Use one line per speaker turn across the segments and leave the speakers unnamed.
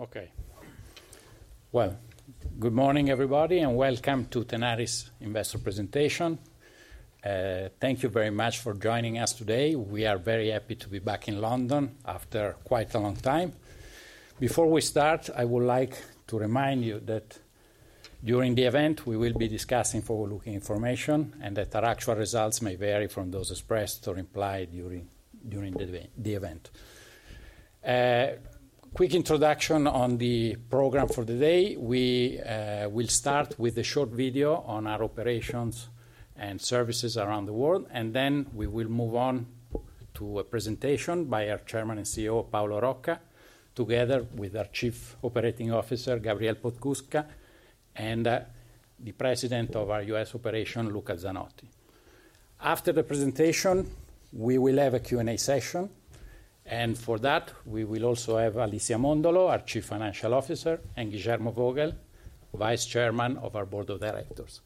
Okay. Well, good morning, everybody, and welcome to Tenaris investor presentation. Thank you very much for joining us today. We are very happy to be back in London after quite a long time. Before we start, I would like to remind you that during the event, we will be discussing forward-looking information, and that our actual results may vary from those expressed or implied during the event. Quick introduction on the program for the day. We will start with a short video on our operations and services around the world, and then we will move on to a presentation by our Chairman and CEO, Paolo Rocca, together with our Chief Operating Officer, Gabriel Podskubka, and the President of our US operation, Luca Zanotti. After the presentation, we will have a Q&A session, and for that, we will also have Alicia Mondolo, our Chief Financial Officer, and Guillermo Vogel, Vice Chairman of our Board of Directors.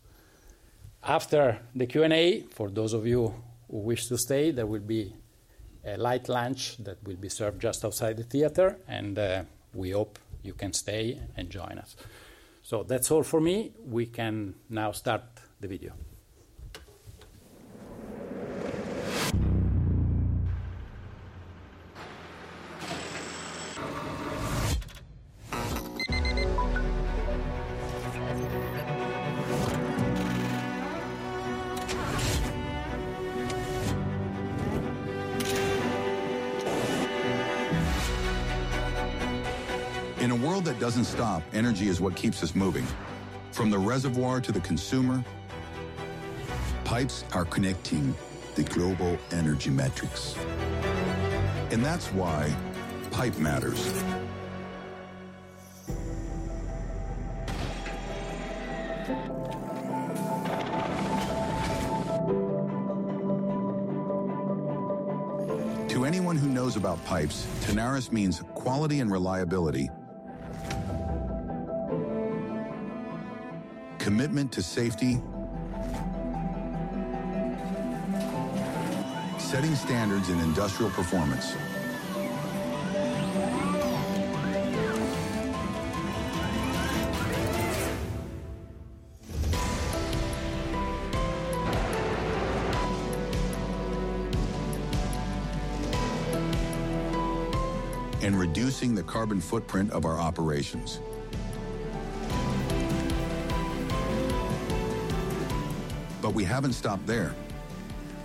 After the Q&A, for those of you who wish to stay, there will be a light lunch that will be served just outside the theater, and we hope you can stay and join us. So that's all for me. We can now start the video. In a world that doesn't stop, energy is what keeps us moving. From the reservoir to the consumer, pipes are connecting the global energy matrix, and that's why pipe matters. To anyone who knows about pipes, Tenaris means quality and reliability, commitment to safety, setting standards in industrial performance, and reducing the carbon footprint of our operations. But we haven't stopped there.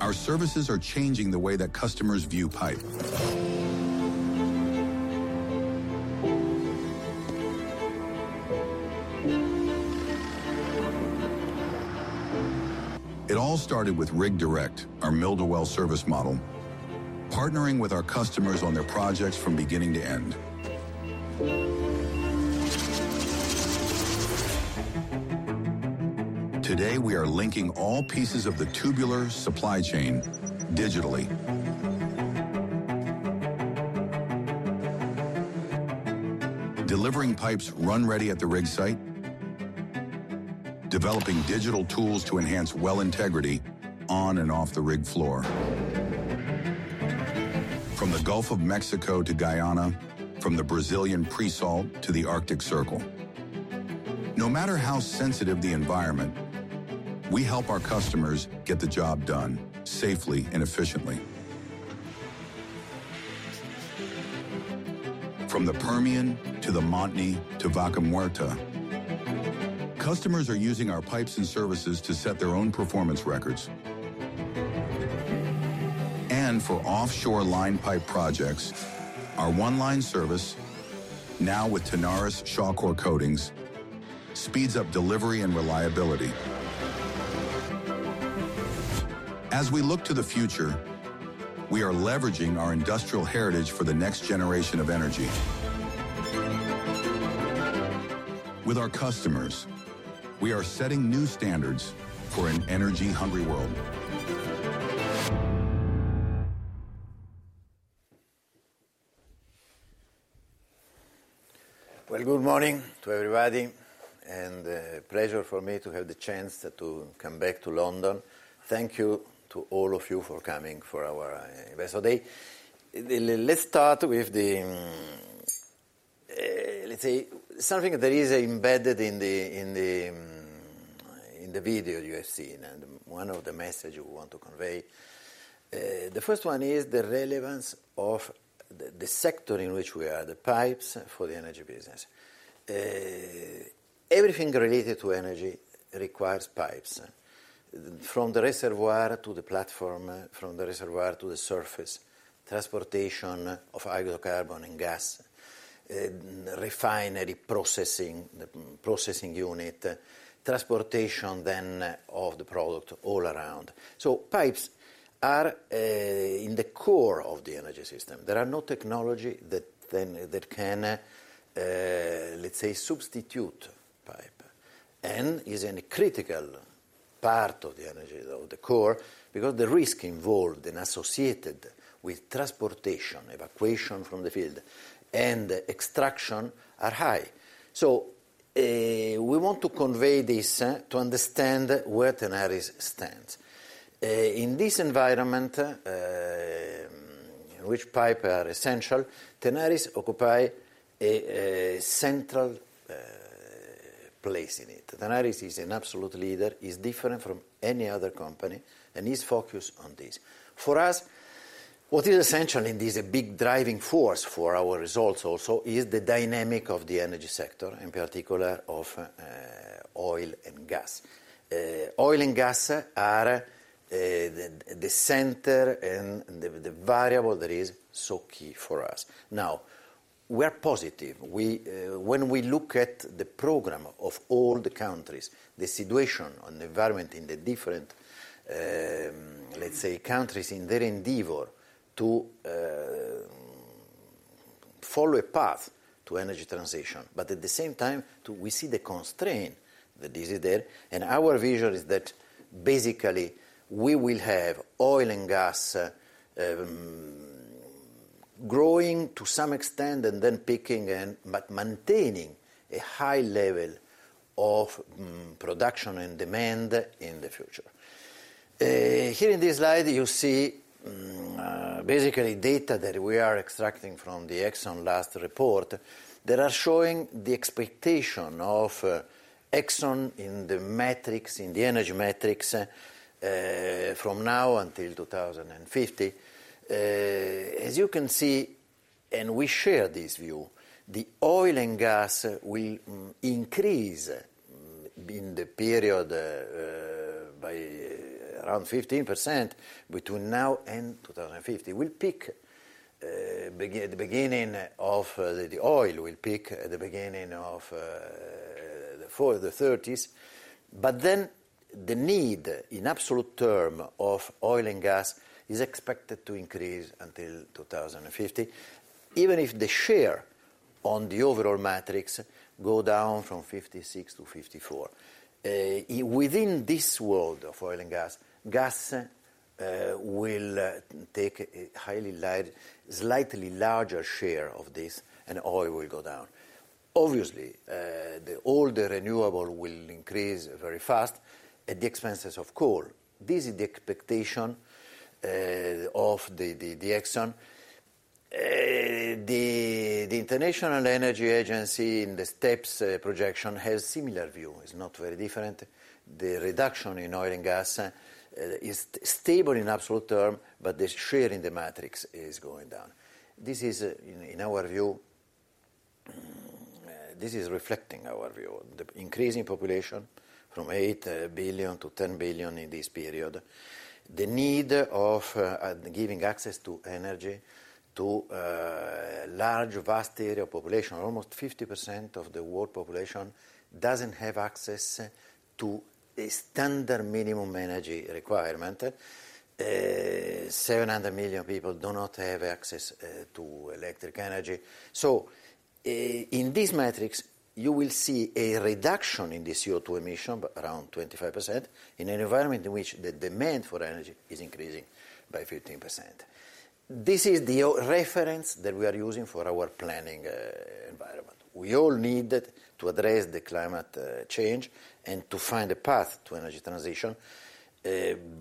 Our services are changing the way that customers view pipe. It all started with Rig Direct, our mill to well service model, partnering with our customers on their projects from beginning to end. Today, we are linking all pieces of the tubular supply chain digitally. Delivering pipes RunReady at the rig site, developing digital tools to enhance well integrity on and off the rig floor. From the Gulf of Mexico to Guyana, from the Brazilian Pre-salt to the Arctic Circle, no matter how sensitive the environment, we help our customers get the job done safely and efficiently. From the Permian to the Montney to Vaca Muerta, customers are using our pipes and services to set their own performance records. And for offshore line pipe projects, our One Line service, now with Tenaris Shawcor Coatings, speeds up delivery and reliability. As we look to the future, we are leveraging our industrial heritage for the next generation of energy. With our customers, we are setting new standards for an energy-hungry world.
Good morning to everybody, and a pleasure for me to have the chance to come back to London. Thank you to all of you for coming for our Investor Day. Let's start with, let's say, something that is embedded in the video you have seen, and one of the messages we want to convey. The first one is the relevance of the sector in which we are, the pipes for the energy business. Everything related to energy requires pipes, from the reservoir to the platform, from the reservoir to the surface, transportation of hydrocarbon and gas, refinery processing, the processing unit, transportation then of the product all around. So pipes are in the core of the energy system. There are no technology that then, that can, let's say, substitute pipe, and is in a critical part of the energy, of the core, because the risk involved and associated with transportation, evacuation from the field, and extraction are high. So, we want to convey this, to understand where Tenaris stands. In this environment, in which pipe are essential, Tenaris occupy a central place in it. Tenaris is an absolute leader, is different from any other company, and is focused on this. For us, what is essential, and this is a big driving force for our results also, is the dynamic of the energy sector, in particular of oil and gas. Oil and gas are the center and the variable that is so key for us. Now, we are positive. We... When we look at the program of all the countries, the situation and environment in the different, let's say, countries in their endeavor to follow a path to energy transition, but at the same time, we see the constraint that is there. And our vision is that basically, we will have oil and gas, growing to some extent and then peaking and but maintaining a high level of production and demand in the future. Here in this slide, you see, basically data that we are extracting from the Exxon last report that are showing the expectation of Exxon in the matrix, in the energy matrix, from now until two thousand and fifty. As you can see, and we share this view, the oil and gas will increase in the period by around 15% between now and two thousand and fifty. The oil will peak at the beginning of the thirties. But then the need, in absolute term, of oil and gas is expected to increase until 2050, even if the share on the overall mix go down from 56% to 54%. Within this world of oil and gas, gas will take a highly large, slightly larger share of this, and oil will go down. Obviously, all the renewable will increase very fast at the expenses of coal. This is the expectation of the Exxon. The International Energy Agency, in the STEPS projection, has similar view. It's not very different. The reduction in oil and gas is stable in absolute term, but the share in the mix is going down. This is, in our view, reflecting our view, the increasing population from eight billion to 10 billion in this period. The need of giving access to energy to large, vast area of population. Almost 50% of the world population doesn't have access to a standard minimum energy requirement. 700 million people do not have access to electric energy. So, in this matrix, you will see a reduction in the CO2 emission by around 25%, in an environment in which the demand for energy is increasing by 15%. This is the reference that we are using for our planning environment. We all need it to address the climate change and to find a path to energy transition,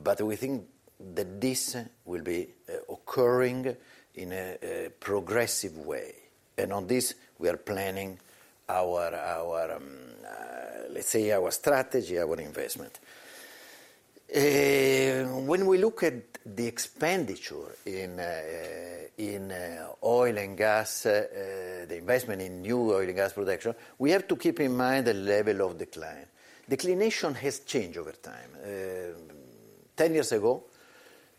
but we think that this will be occurring in a progressive way, and on this, we are planning our, let's say our strategy, our investment. When we look at the expenditure in oil and gas, the investment in new oil and gas production, we have to keep in mind the level of decline. Decline has changed over time. Ten years ago,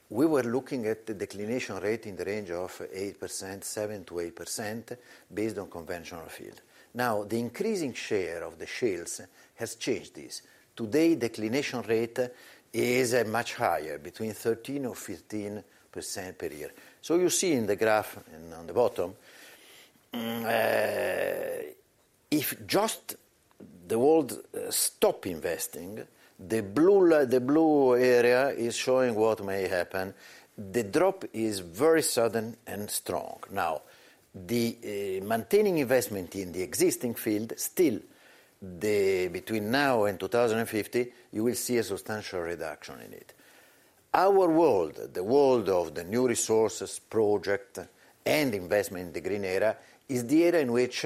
we were looking at the decline rate in the range of 8%, 7-8%, based on conventional field. Now, the increasing share of the shales has changed this. Today, decline rate is much higher, between 13% or 15% per year. So you see in the graph and on the bottom, if just the world stop investing, the blue area is showing what may happen. The drop is very sudden and strong. Now, maintaining investment in the existing field, still, between now and 2050, you will see a substantial reduction in it. Our world, the world of the new resources project and investment in the green era, is the era in which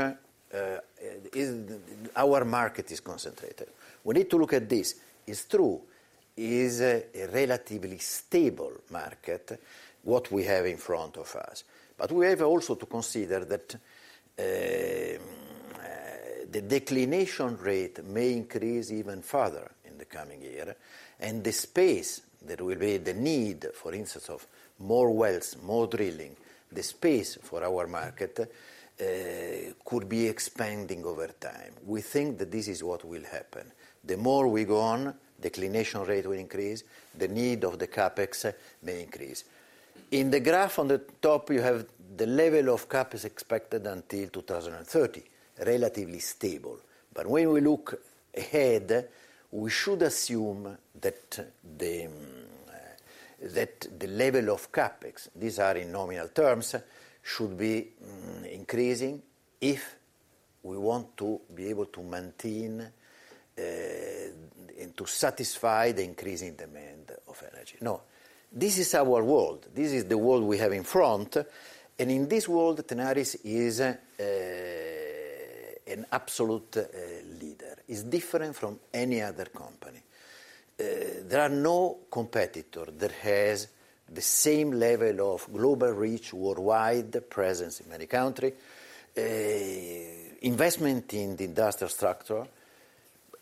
our market is concentrated. We need to look at this. It's true, it is a relatively stable market, what we have in front of us, but we have also to consider that the decline rate may increase even further in the coming year, and the space that will be the need, for instance, of more wells, more drilling, the space for our market could be expanding over time. We think that this is what will happen. The more we go on, decline rate will increase, the need of the CapEx may increase. In the graph on the top, you have the level of CapEx expected until two thousand and thirty, relatively stable. But when we look ahead, we should assume that the level of CapEx, these are in nominal terms, should be increasing if we want to be able to maintain and to satisfy the increasing demand of energy. No, this is our world. This is the world we have in front, and in this world, Tenaris is an absolute leader. It's different from any other company. There are no competitor that has the same level of global reach, worldwide presence in many country, a investment in the industrial structure,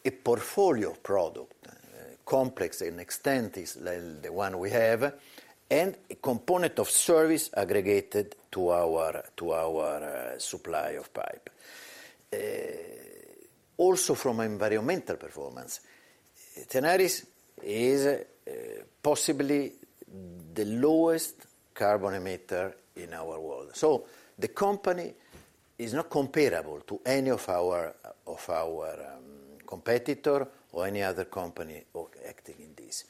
a portfolio product complex in extent is like the one we have, and a component of service aggregated to our supply of pipe. Also from environmental performance, Tenaris is possibly the lowest carbon emitter in our world. So the company is not comparable to any of our competitors or any other company active in this.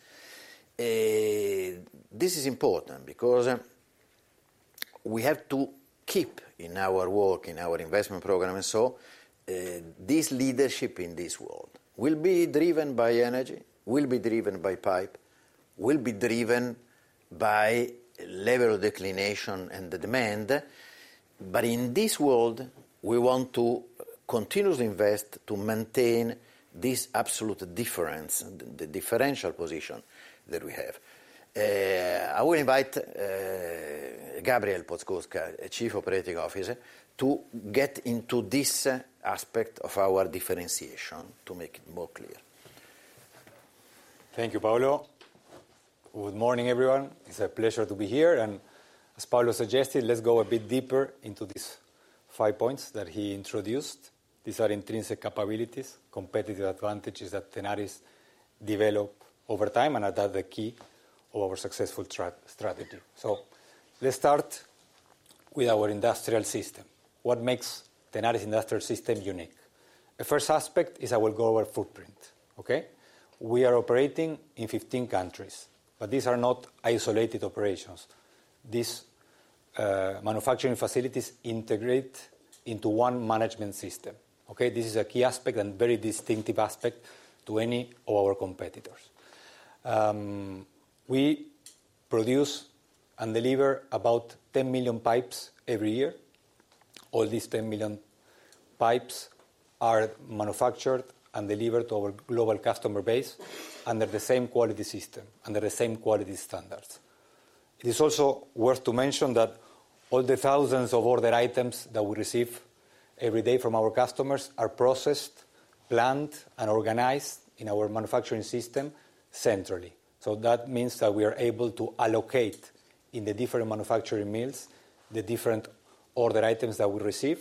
This is important because we have to keep in our work, in our investment program, and so, this leadership in this world will be driven by energy, will be driven by pipe, will be driven by level of differentiation and the demand. But in this world, we want to continuously invest to maintain this absolute difference, the differential position that we have. I will invite Gabriel Podskubka, Chief Operating Officer, to get into this aspect of our differentiation to make it more clear.
Thank you, Paolo. Good morning, everyone. It's a pleasure to be here, and as Paolo suggested, let's go a bit deeper into these five points that he introduced. These are intrinsic capabilities, competitive advantages that Tenaris developed over time and are the key of our successful strategy. So let's start with our industrial system. What makes Tenaris industrial system unique? The first aspect is our global footprint. Okay? We are operating in 15 countries, but these are not isolated operations. These manufacturing facilities integrate into one management system, okay? This is a key aspect and very distinctive aspect to any of our competitors. We produce and deliver about 10 million pipes every year. All these 10 million pipes are manufactured and delivered to our global customer base under the same quality system, under the same quality standards. It is also worth to mention that all the thousands of order items that we receive every day from our customers are processed, planned, and organized in our manufacturing system centrally. So that means that we are able to allocate in the different manufacturing mills the different order items that we receive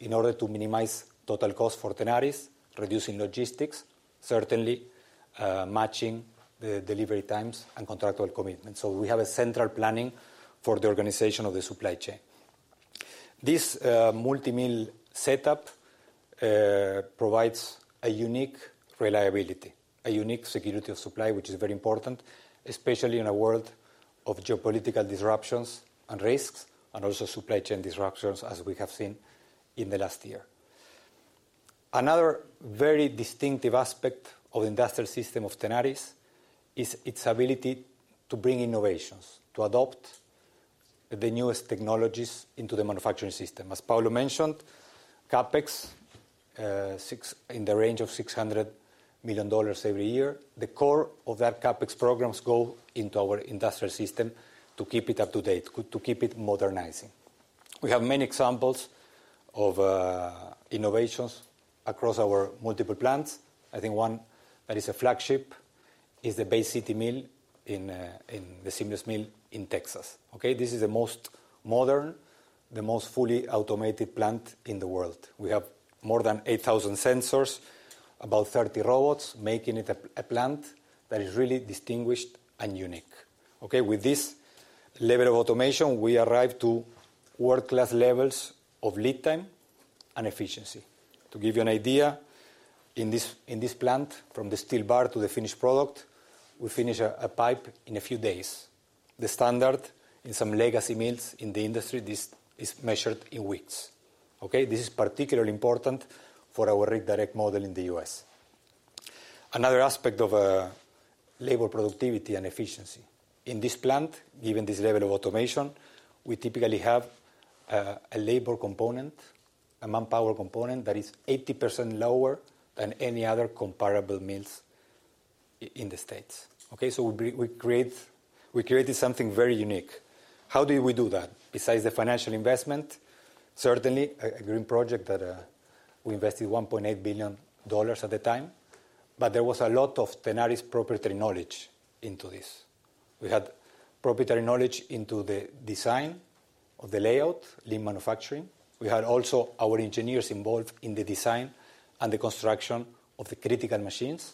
in order to minimize total cost for Tenaris, reducing logistics, certainly, matching the delivery times and contractual commitments. So we have a central planning for the organization of the supply chain. This, multi-mill setup, provides a unique reliability, a unique security of supply, which is very important, especially in a world of geopolitical disruptions and risks, and also supply chain disruptions, as we have seen in the last year. Another very distinctive aspect of industrial system of Tenaris is its ability to bring innovations, to adopt the newest technologies into the manufacturing system. As Paolo mentioned, CapEx in the range of $600 million every year. The core of that CapEx programs go into our industrial system to keep it up to date, to keep it modernizing. We have many examples of innovations across our multiple plants. I think one that is a flagship is the Bay City mill, the Seamless mill in Texas, okay? This is the most modern, the most fully automated plant in the world. We have more than 8,000 sensors, about 30 robots, making it a plant that is really distinguished and unique, okay? With this level of automation, we arrive to world-class levels of lead time and efficiency. To give you an idea, in this plant, from the steel bar to the finished product, we finish a pipe in a few days. The standard in some legacy mills in the industry, this is measured in weeks, okay? This is particularly important for our Rig Direct model in the U.S. Another aspect of labor productivity and efficiency. In this plant, given this level of automation, we typically have a labor component, a manpower component that is 80% lower than any other comparable mills in the States, okay? So we created something very unique. How did we do that? Besides the financial investment, certainly a green project that we invested $1.8 billion at the time, but there was a lot of Tenaris proprietary knowledge into this. We had proprietary knowledge into the design of the layout, lean manufacturing. We had also our engineers involved in the design and the construction of the critical machines,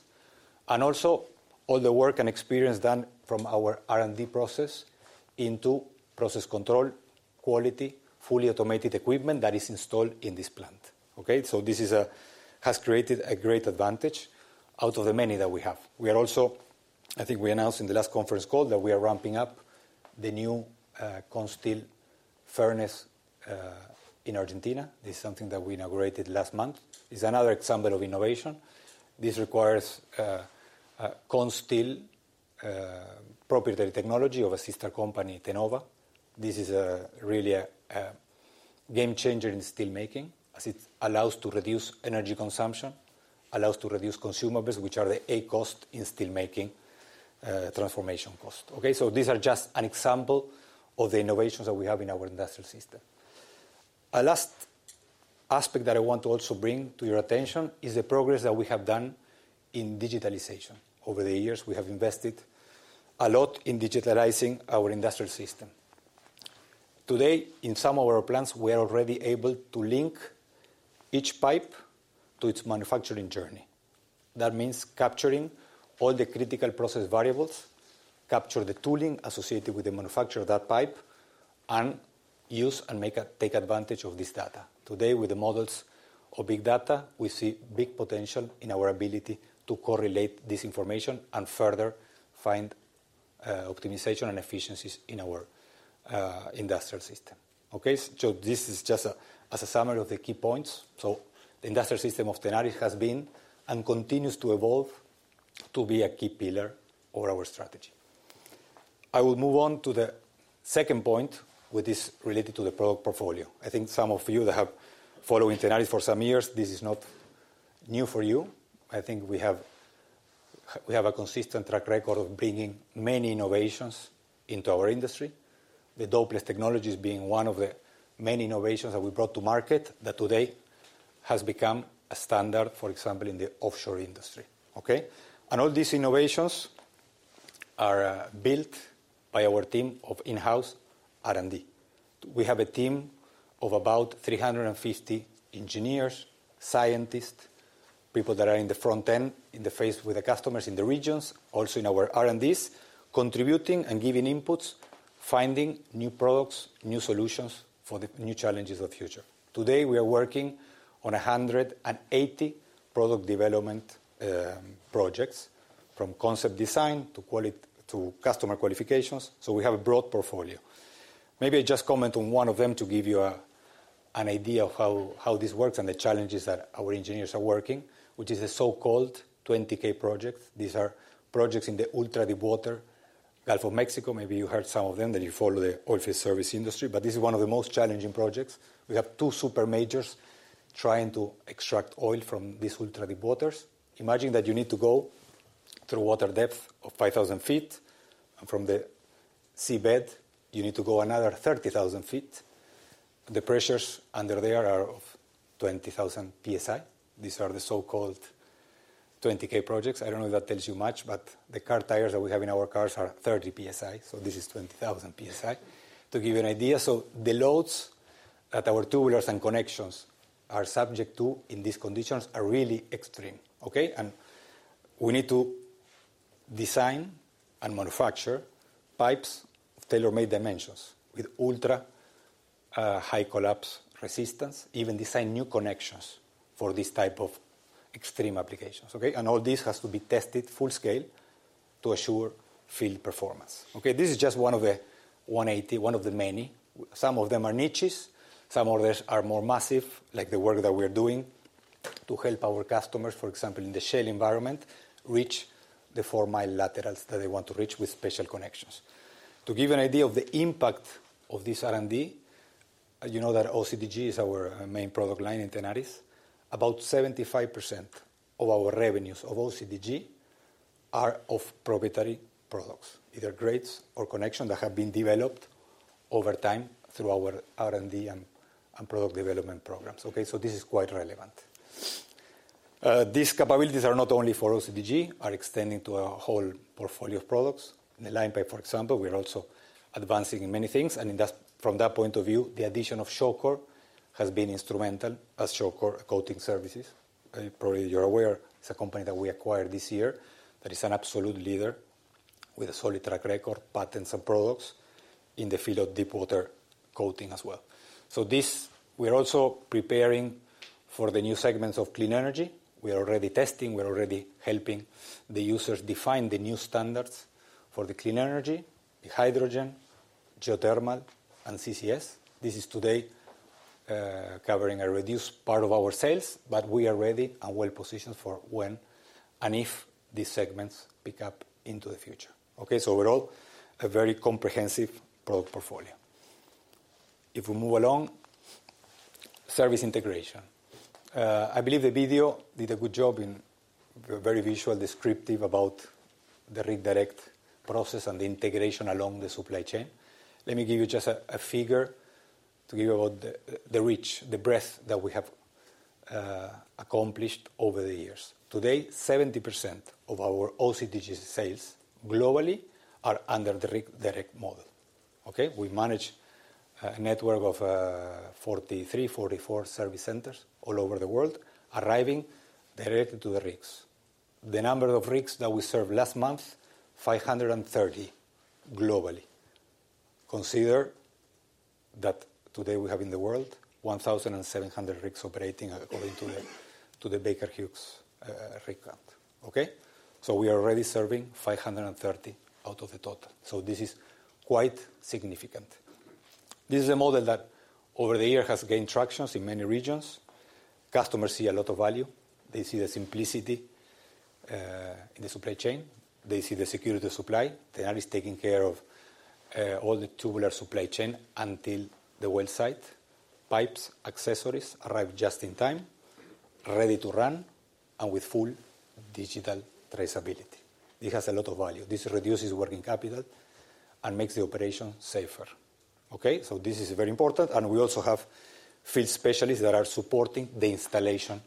and also all the work and experience done from our R&D process into process control, quality, fully automated equipment that is installed in this plant, okay? So this has created a great advantage out of the many that we have. We are also, I think we announced in the last conference call, that we are ramping up the new Consteel furnace in Argentina. This is something that we inaugurated last month. It's another example of innovation. This requires a Consteel proprietary technology of a sister company, Tenova. This is really a game changer in steelmaking, as it allows to reduce energy consumption, allows to reduce consumables, which are a cost in steelmaking, transformation cost. Okay, so these are just an example of the innovations that we have in our industrial system. A last aspect that I want to also bring to your attention is the progress that we have done in digitalization. Over the years, we have invested a lot in digitalizing our industrial system. Today, in some of our plants, we are already able to link each pipe to its manufacturing journey. That means capturing all the critical process variables, capture the tooling associated with the manufacture of that pipe, and use and take advantage of this data. Today, with the models of big data, we see big potential in our ability to correlate this information and further find optimization and efficiencies in our industrial system. Okay, so this is just as a summary of the key points. So the industrial system of Tenaris has been and continues to evolve to be a key pillar of our strategy. I will move on to the second point, which is related to the product portfolio. I think some of you that have followed Tenaris for some years, this is not new for you. I think we have, we have a consistent track record of bringing many innovations into our industry. The Dopeless technology is being one of the many innovations that we brought to market, that today has become a standard, for example, in the offshore industry, okay? And all these innovations are, built by our team of in-house R&D. We have a team of about three hundred and fifty engineers, scientists, people that are in the front end, in the phase with the customers in the regions, also in our R&Ds, contributing and giving inputs, finding new products, new solutions for the new challenges of the future. Today, we are working on 180 product development projects, from concept design to customer qualifications, so we have a broad portfolio. Maybe I just comment on one of them to give you an idea of how this works and the challenges that our engineers are working, which is the so-called 20K projects. These are projects in the ultra deep water, Gulf of Mexico. Maybe you heard some of them, that you follow the oil field service industry, but this is one of the most challenging projects. We have two super majors trying to extract oil from these ultra deep waters. Imagine that you need to go through water depth of five thousand feet, and from the seabed, you need to go another thirty thousand feet. The pressures under there are of twenty thousand PSI. These are the so-called 20K projects. I don't know if that tells you much, but the car tires that we have in our cars are thirty PSI, so this is twenty thousand PSI, to give you an idea. So the loads that our tubulars and connections are subject to in these conditions are really extreme, okay? And we need to design and manufacture pipes of tailor-made dimensions with ultra high collapse resistance, even design new connections for this type of extreme applications, okay? And all this has to be tested full scale to assure field performance. Okay, this is just one of the 180, one of the many. Some of them are niches, some of them are more massive, like the work that we are doing to help our customers, for example, in the shale environment, reach the four-mile laterals that they want to reach with special connections. To give you an idea of the impact of this R&D, you know that OCTG is our main product line in Tenaris. About 75% of our revenues of OCTG are of proprietary products, either grades or connections that have been developed over time through our R&D and product development programs, okay? So this is quite relevant. These capabilities are not only for OCTG, are extending to our whole portfolio of products. In the line pipe, for example, we are also advancing in many things, and in that, from that point of view, the addition of Shawcor has been instrumental as Shawcor Coating Services. Probably you're aware, it's a company that we acquired this year that is an absolute leader with a solid track record, patents, and products in the field of deepwater coating as well. So this, we are also preparing for the new segments of clean energy. We are already testing, we are already helping the users define the new standards for the clean energy, the hydrogen, geothermal, and CCS. This is today covering a reduced part of our sales, but we are ready and well positioned for when and if these segments pick up into the future. Okay, so overall, a very comprehensive product portfolio. If we move along, service integration. I believe the video did a good job in very visual descriptive about the Rig Direct process and the integration along the supply chain. Let me give you just a figure to give you about the reach, the breadth that we have accomplished over the years. Today, 70% of our OCTG sales globally are under the Rig Direct model, okay? We manage a network of 43, 44 service centers all over the world, delivering direct to the rigs. The number of rigs that we served last month, 530 globally. Consider that today we have in the world 1,700 rigs operating according to the Baker Hughes rig count. Okay? We are already serving 530 out of the total, so this is quite significant. This is a model that over the years has gained traction in many regions. Customers see a lot of value. They see the simplicity in the supply chain, they see the security of supply. Tenaris is taking care of all the tubular supply chain until the well site. Pipes, accessories arrive just in time, ready to run, and with full digital traceability. It has a lot of value. This reduces working capital and makes the operation safer. Okay? So this is very important, and we also have field specialists that are supporting the installation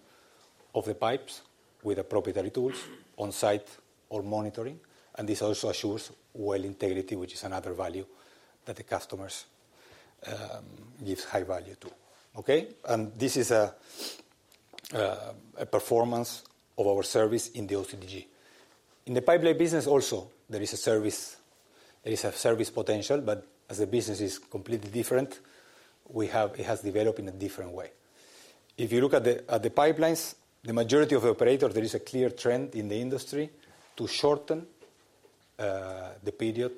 of the pipes with the proprietary tools on site or monitoring, and this also assures well integrity, which is another value that the customers gives high value to. Okay? And this is a, a performance of our service in the OCTG. In the pipeline business also, there is a service, there is a service potential, but as the business is completely different, we have, it has developed in a different way. If you look at the, at the pipelines, the majority of operators, there is a clear trend in the industry to shorten the period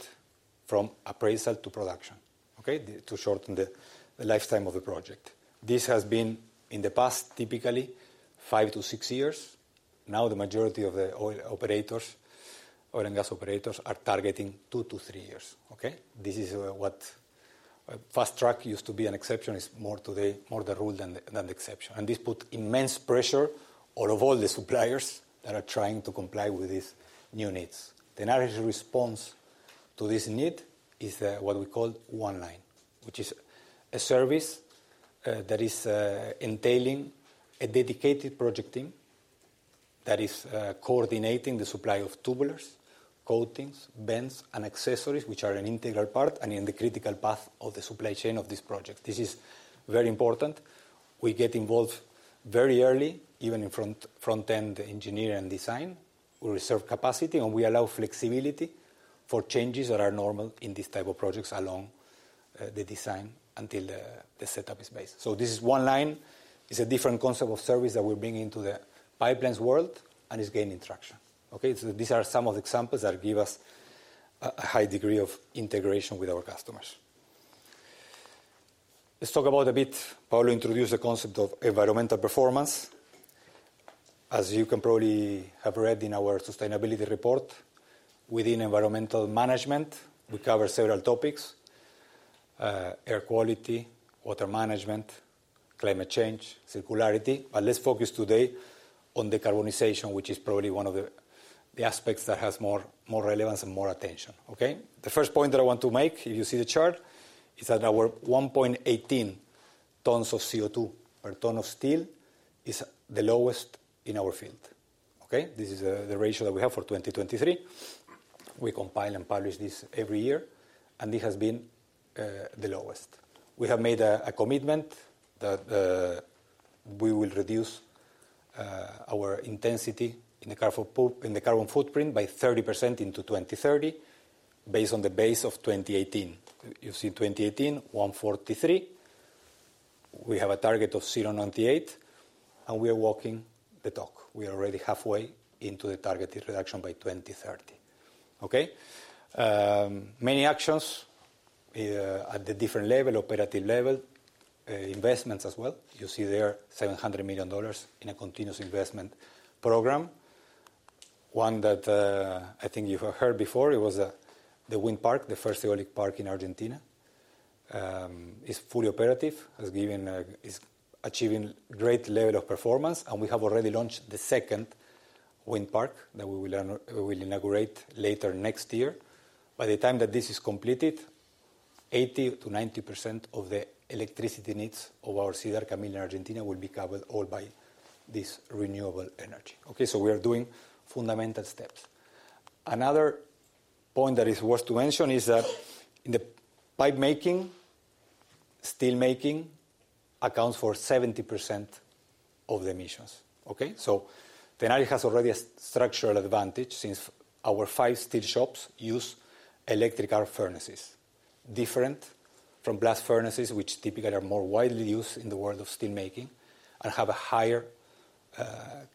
from appraisal to production, okay? To shorten the lifetime of the project. This has been, in the past, typically five to six years. Now, the majority of the oil operators, oil and gas operators, are targeting two to three years, okay? This is what fast track used to be an exception, it's more today the rule than the exception, and this put immense pressure on of all the suppliers that are trying to comply with these new needs. Tenaris' response to this need is what we call One Line, which is a service that is entailing a dedicated project team that is coordinating the supply of tubulars, coatings, bends, and accessories, which are an integral part and in the critical path of the supply chain of this project. This is very important. We get involved very early, even in front-end engineering and design. We reserve capacity, and we allow flexibility for changes that are normal in these type of projects along the design until the setup is based. So this is One Line. It's a different concept of service that we're bringing to the pipelines world, and it's gaining traction. Okay, so these are some of the examples that give us a high degree of integration with our customers. Let's talk about a bit. Paolo introduced the concept of environmental performance. As you can probably have read in our sustainability report, within environmental management, we cover several topics: air quality, water management, climate change, circularity. But let's focus today on decarbonization, which is probably one of the aspects that has more relevance and more attention, okay? The first point that I want to make, if you see the chart, is that our 1.18 tons of CO2 per ton of steel is the lowest in our field, okay? This is the ratio that we have for 2023. We compile and publish this every year, and it has been the lowest. We have made a commitment that we will reduce our intensity in the carbon footprint by 30% by 2030, based on the baseline of 2018. You see 2018, 143. We have a target of 98, and we are walking the talk. We are already halfway into the targeted reduction by 2030, okay? Many actions at the different level, operative level, investments as well. You see there $700 million in a continuous investment program. One that I think you have heard before, it was the wind park, the first solar park in Argentina. It's fully operative, is achieving great level of performance, and we have already launched the second wind park that we will inaugurate later next year. By the time that this is completed, 80%-90% of the electricity needs of our Siderca Campana in Argentina will be covered all by this renewable energy. Okay, so we are doing fundamental steps. Another point that is worth to mention is that in the pipe making, steel making accounts for 70% of the emissions, okay? So Tenaris has already a structural advantage since our five steel shops use electric furnaces, different from blast furnaces, which typically are more widely used in the world of steelmaking and have a higher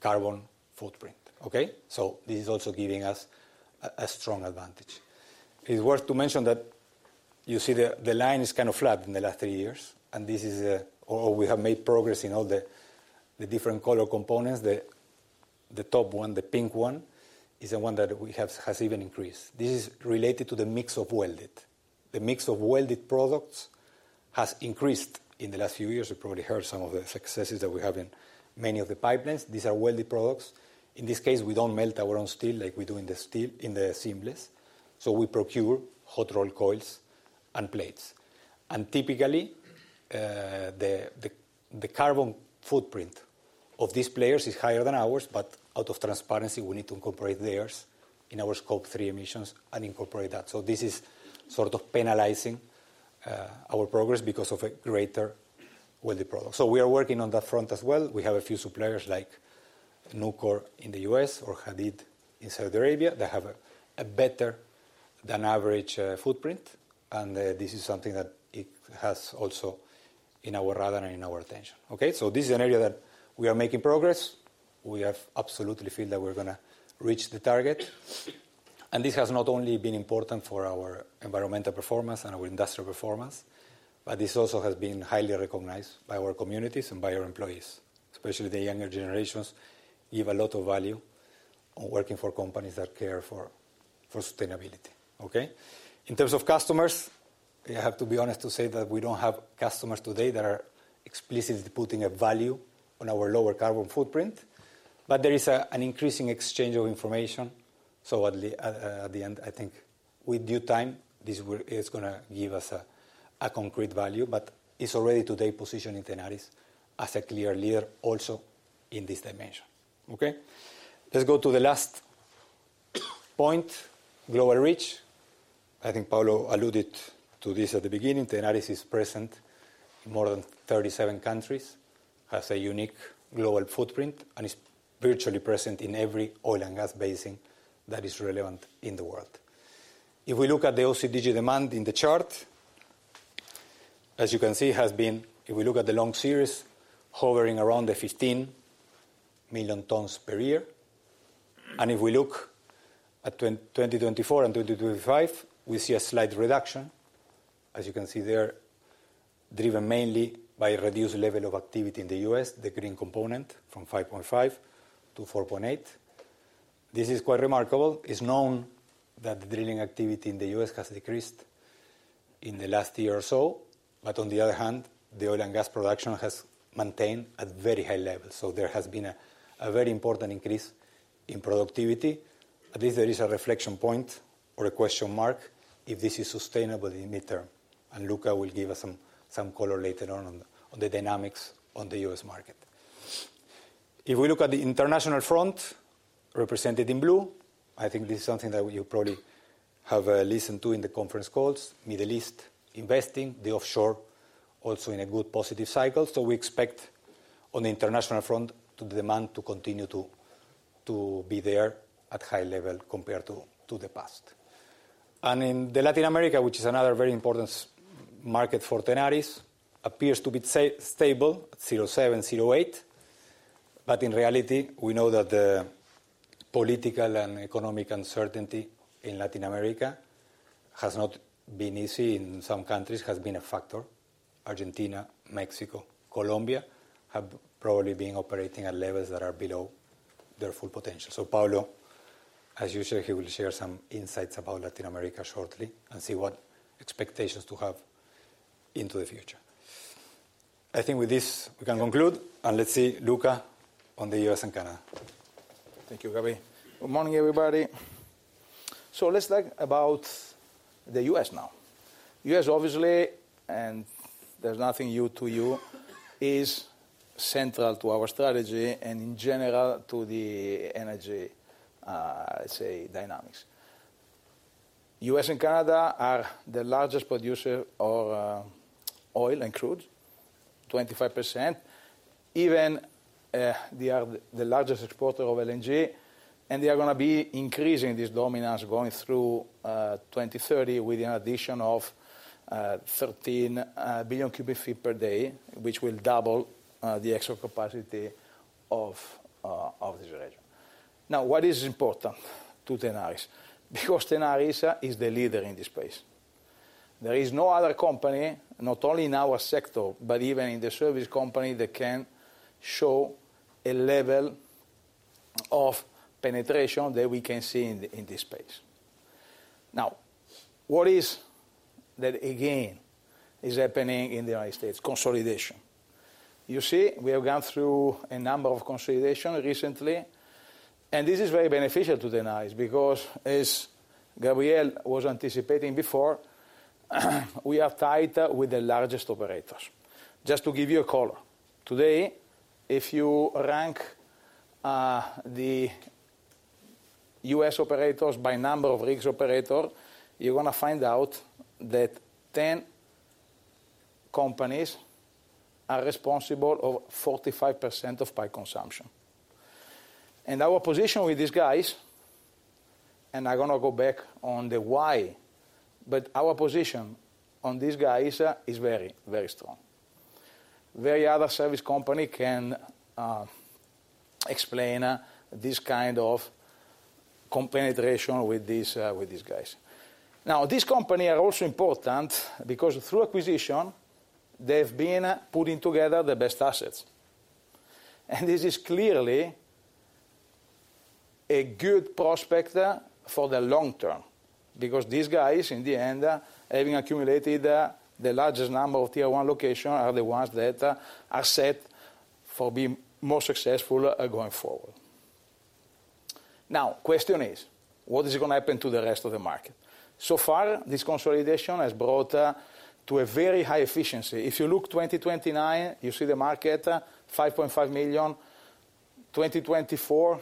carbon footprint. Okay? So this is also giving us a strong advantage. It's worth to mention that you see the line is kind of flat in the last three years, and this is or we have made progress in all the different color components. The top one, the pink one, is the one that has even increased. This is related to the mix of welded. The mix of welded products has increased in the last few years. You probably heard some of the successes that we have in many of the pipelines. These are welded products. In this case, we don't melt our own steel like we do in the seamless, so we procure hot-rolled coils and plates. Typically, the carbon footprint of these players is higher than ours, but out of transparency, we need to incorporate theirs in our Scope 3 emissions and incorporate that. This is sort of penalizing our progress because of a greater welded product. We are working on that front as well. We have a few suppliers like Nucor in the U.S. or Hadeed in Saudi Arabia. They have a better than average footprint, and this is something that we have also on our radar and in our attention. Okay? So this is an area that we are making progress. We absolutely feel that we're gonna reach the target. And this has not only been important for our environmental performance and our industrial performance, but this also has been highly recognized by our communities and by our employees. Especially the younger generations give a lot of value on working for companies that care for sustainability. Okay? In terms of customers, I have to be honest to say that we don't have customers today that are explicitly putting a value on our lower carbon footprint, but there is an increasing exchange of information, so at the end, I think with due time, this is gonna give us a concrete value, but it's already today positioning Tenaris as a clear leader also in this dimension. Okay? Let's go to the last point, global reach. I think Paolo alluded to this at the beginning. Tenaris is present in more than thirty-seven countries, has a unique global footprint, and is virtually present in every oil and gas basin that is relevant in the world. If we look at the OCTG demand in the chart, as you can see, it has been, if we look at the long series, hovering around the 15 million tons per year. And if we look at 2024 and 2025, we see a slight reduction, as you can see there, driven mainly by reduced level of activity in the U.S., the green component from 5.5 to 4.8. This is quite remarkable. It's known that the drilling activity in the U.S. has decreased in the last year or so, but on the other hand, the oil and gas production has maintained at very high levels. So there has been a very important increase in productivity. At least there is a reflection point or a question mark if this is sustainable in the mid term, and Luca will give us some color later on, on the dynamics on the U.S. market. If we look at the international front, represented in blue, I think this is something that you probably have listened to in the conference calls. Middle East investing, the offshore also in a good positive cycle, so we expect on the international front the demand to continue to be there at high level compared to the past. In the Latin America, which is another very important market for Tenaris, appears to be stable at 07-08, but in reality, we know that the political and economic uncertainty in Latin America has not been easy, in some countries, has been a factor. Argentina, Mexico, Colombia, have probably been operating at levels that are below their full potential. So Paolo, as usual, he will share some insights about Latin America shortly and see what expectations to have into the future. I think with this, we can conclude, and let's see Luca on the U.S. and Canada.
Thank you, Gabi. Good morning, everybody. So let's talk about the U.S. now. U.S., obviously, and there's nothing new to you, is central to our strategy and in general, to the energy, say, dynamics, U.S. and Canada are the largest producer of oil and crude, 25%. Even, they are the largest exporter of LNG, and they are gonna be increasing this dominance going through 2030, with an addition of 13 billion cubic feet per day, which will double the export capacity of this region. Now, what is important to Tenaris? Because Tenaris is the leader in this space. There is no other company, not only in our sector, but even in the service company, that can show a level of penetration that we can see in this space. Now, what is that again is happening in the United States? Consolidation. You see, we have gone through a number of consolidation recently, and this is very beneficial to Tenaris because as Gabriel was anticipating before, we are tied with the largest operators. Just to give you a color, today, if you rank the US operators by number of rigs per operator, you're gonna find out that 10 companies are responsible for 45% of pipe consumption. And our position with these guys, and I'm gonna go back on the why, but our position with these guys is very, very strong. No other service company can explain this kind of penetration with these guys. Now, these companies are also important because through acquisition, they've been putting together the best assets. This is clearly a good prospect for the long term, because these guys, in the end, having accumulated the largest number of Tier 1 locations, are the ones that are set for being more successful going forward. Now, question is, what is gonna happen to the rest of the market? So far, this consolidation has brought to a very high efficiency. If you look at 2029, you see the market 5.5 million, 2024,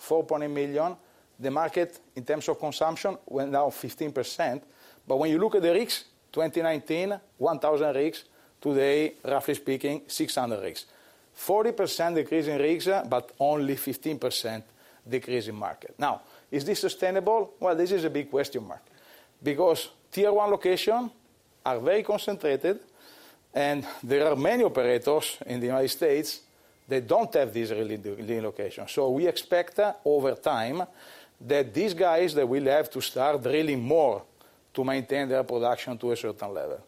4.8 million. The market, in terms of consumption, went down 15%. But when you look at the rigs, 2019, 1,000 rigs, today, roughly speaking, 600 rigs. 40% decrease in rigs, but only 15% decrease in market. Now, is this sustainable? This is a big question mark, because Tier 1 locations are very concentrated, and there are many operators in the United States that don't have these drilling locations. So we expect that over time, that these guys, they will have to start drilling more to maintain their production to a certain level.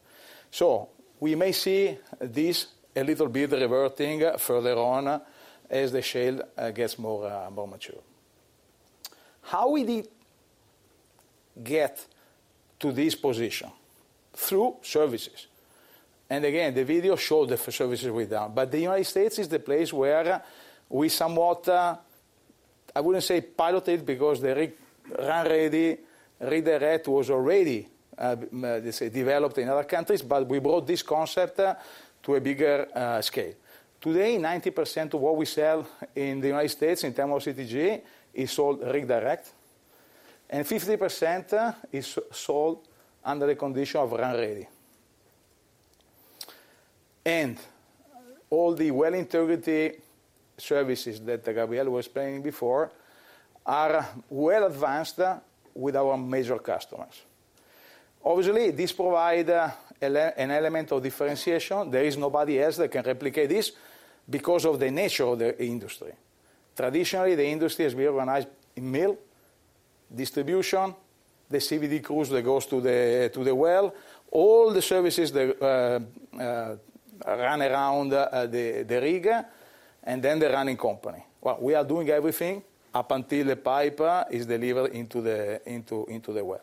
So we may see this a little bit reverting further on as the shale gets more mature. How did we get to this position? Through services. And again, the video showed the services we've done, but the United States is the place where we somewhat, I wouldn't say piloted, because the rig-ready Rig Direct was already, let's say, developed in other countries, but we brought this concept to a bigger scale. Today, 90% of what we sell in the United States in terms of OCTG is sold Rig Direct, and 50% is sold under the condition of RunReady. All the well integrity services that Gabriel was explaining before are well advanced with our major customers. Obviously, this provide an element of differentiation. There is nobody else that can replicate this because of the nature of the industry. Traditionally, the industry has been organized in mill, distribution, the CVD crews that goes to the well, all the services that run around the rig, and then the running company. We are doing everything up until the pipe is delivered into the well.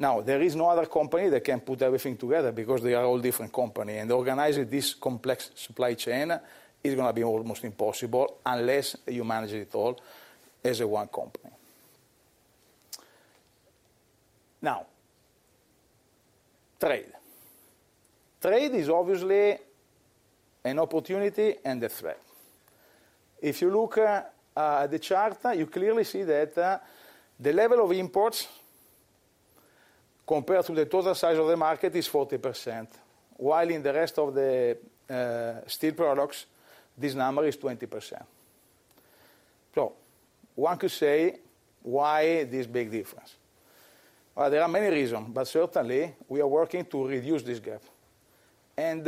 Now, there is no other company that can put everything together because they are all different company, and organizing this complex supply chain is gonna be almost impossible unless you manage it all as a one company. Now, trade. Trade is obviously an opportunity and a threat. If you look at the chart, you clearly see that the level of imports compared to the total size of the market is 40%, while in the rest of the steel products, this number is 20%. So one could say, "Why this big difference?" Well, there are many reasons, but certainly we are working to reduce this gap, and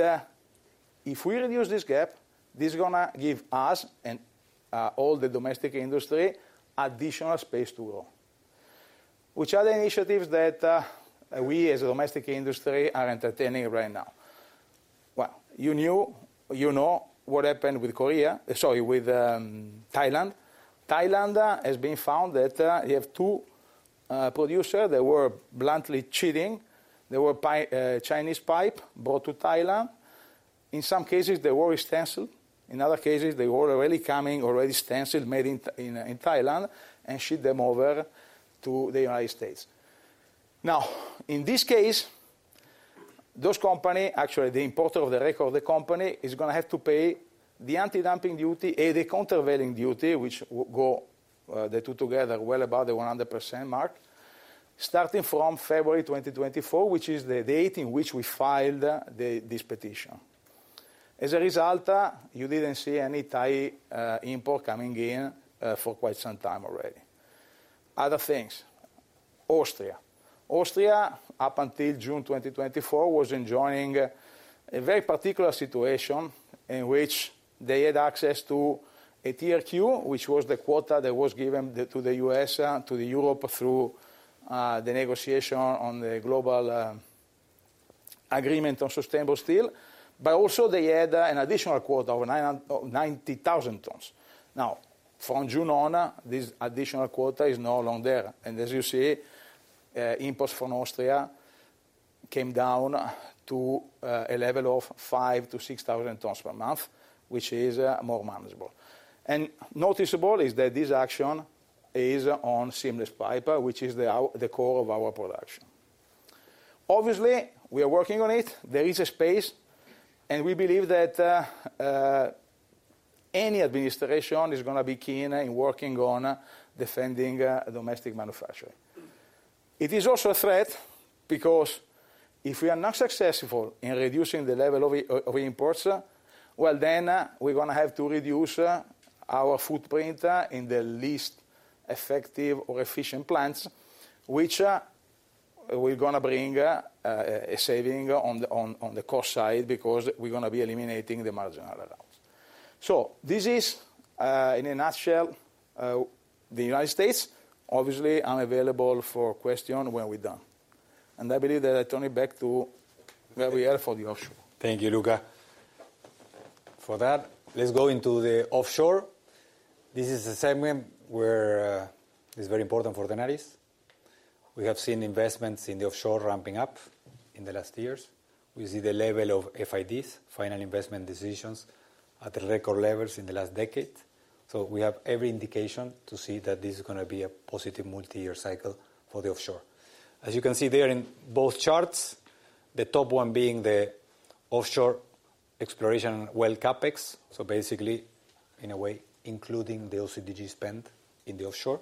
if we reduce this gap, this is gonna give us and all the domestic industry additional space to grow. Which are the initiatives that we as a domestic industry are entertaining right now? You know what happened with Korea. Sorry, with Thailand. Thailand has been found that they have two producers that were bluntly cheating. They were buying Chinese pipe brought to Thailand. In some cases, they were stenciled. In other cases, they were already coming, already stenciled, made in Thailand, and ship them over to the United States. Now, in this case, those companies, actually the importer of record of the company, is gonna have to pay the anti-dumping duty and the countervailing duty, which, the two together well above the 100% mark, starting from February 2024, which is the date in which we filed this petition. As a result, you didn't see any Thai import coming in for quite some time already. Other things: Austria. Austria, up until June 2024, was enjoying a very particular situation in which they had access to a TRQ, which was the quota that was given to the U.S. To Europe through the negotiation on the Global Agreement on Sustainable Steel, but also they had an additional quota of 990,000 tons. Now, from June on, this additional quota is no longer there, and as you see, imports from Austria came down to a level of 5,000-6,000 tons per month, which is more manageable. Noticeable is that this action is on seamless pipe, which is the core of our production. Obviously, we are working on it. There is a space, and we believe that any administration is gonna be keen in working on defending domestic manufacturer. It is also a threat, because if we are not successful in reducing the level of imports, well, then, we're gonna have to reduce our footprint in the least effective or efficient plants, which we're gonna bring a saving on the cost side because we're gonna be eliminating the marginal assets. So this is, in a nutshell, the United States. Obviously, I'm available for question when we're done, and I believe that I turn it back to Gabriel for the offshore.
Thank you, Luca, for that. Let's go into the offshore. This is the segment where it's very important for Tenaris. We have seen investments in the offshore ramping up in the last years. We see the level of FIDs, final investment decisions, at record levels in the last decade, so we have every indication to see that this is gonna be a positive multi-year cycle for the offshore. As you can see there in both charts, the top one being the offshore exploration well CapEx, so basically, in a way, including the OCTG spend in the offshore.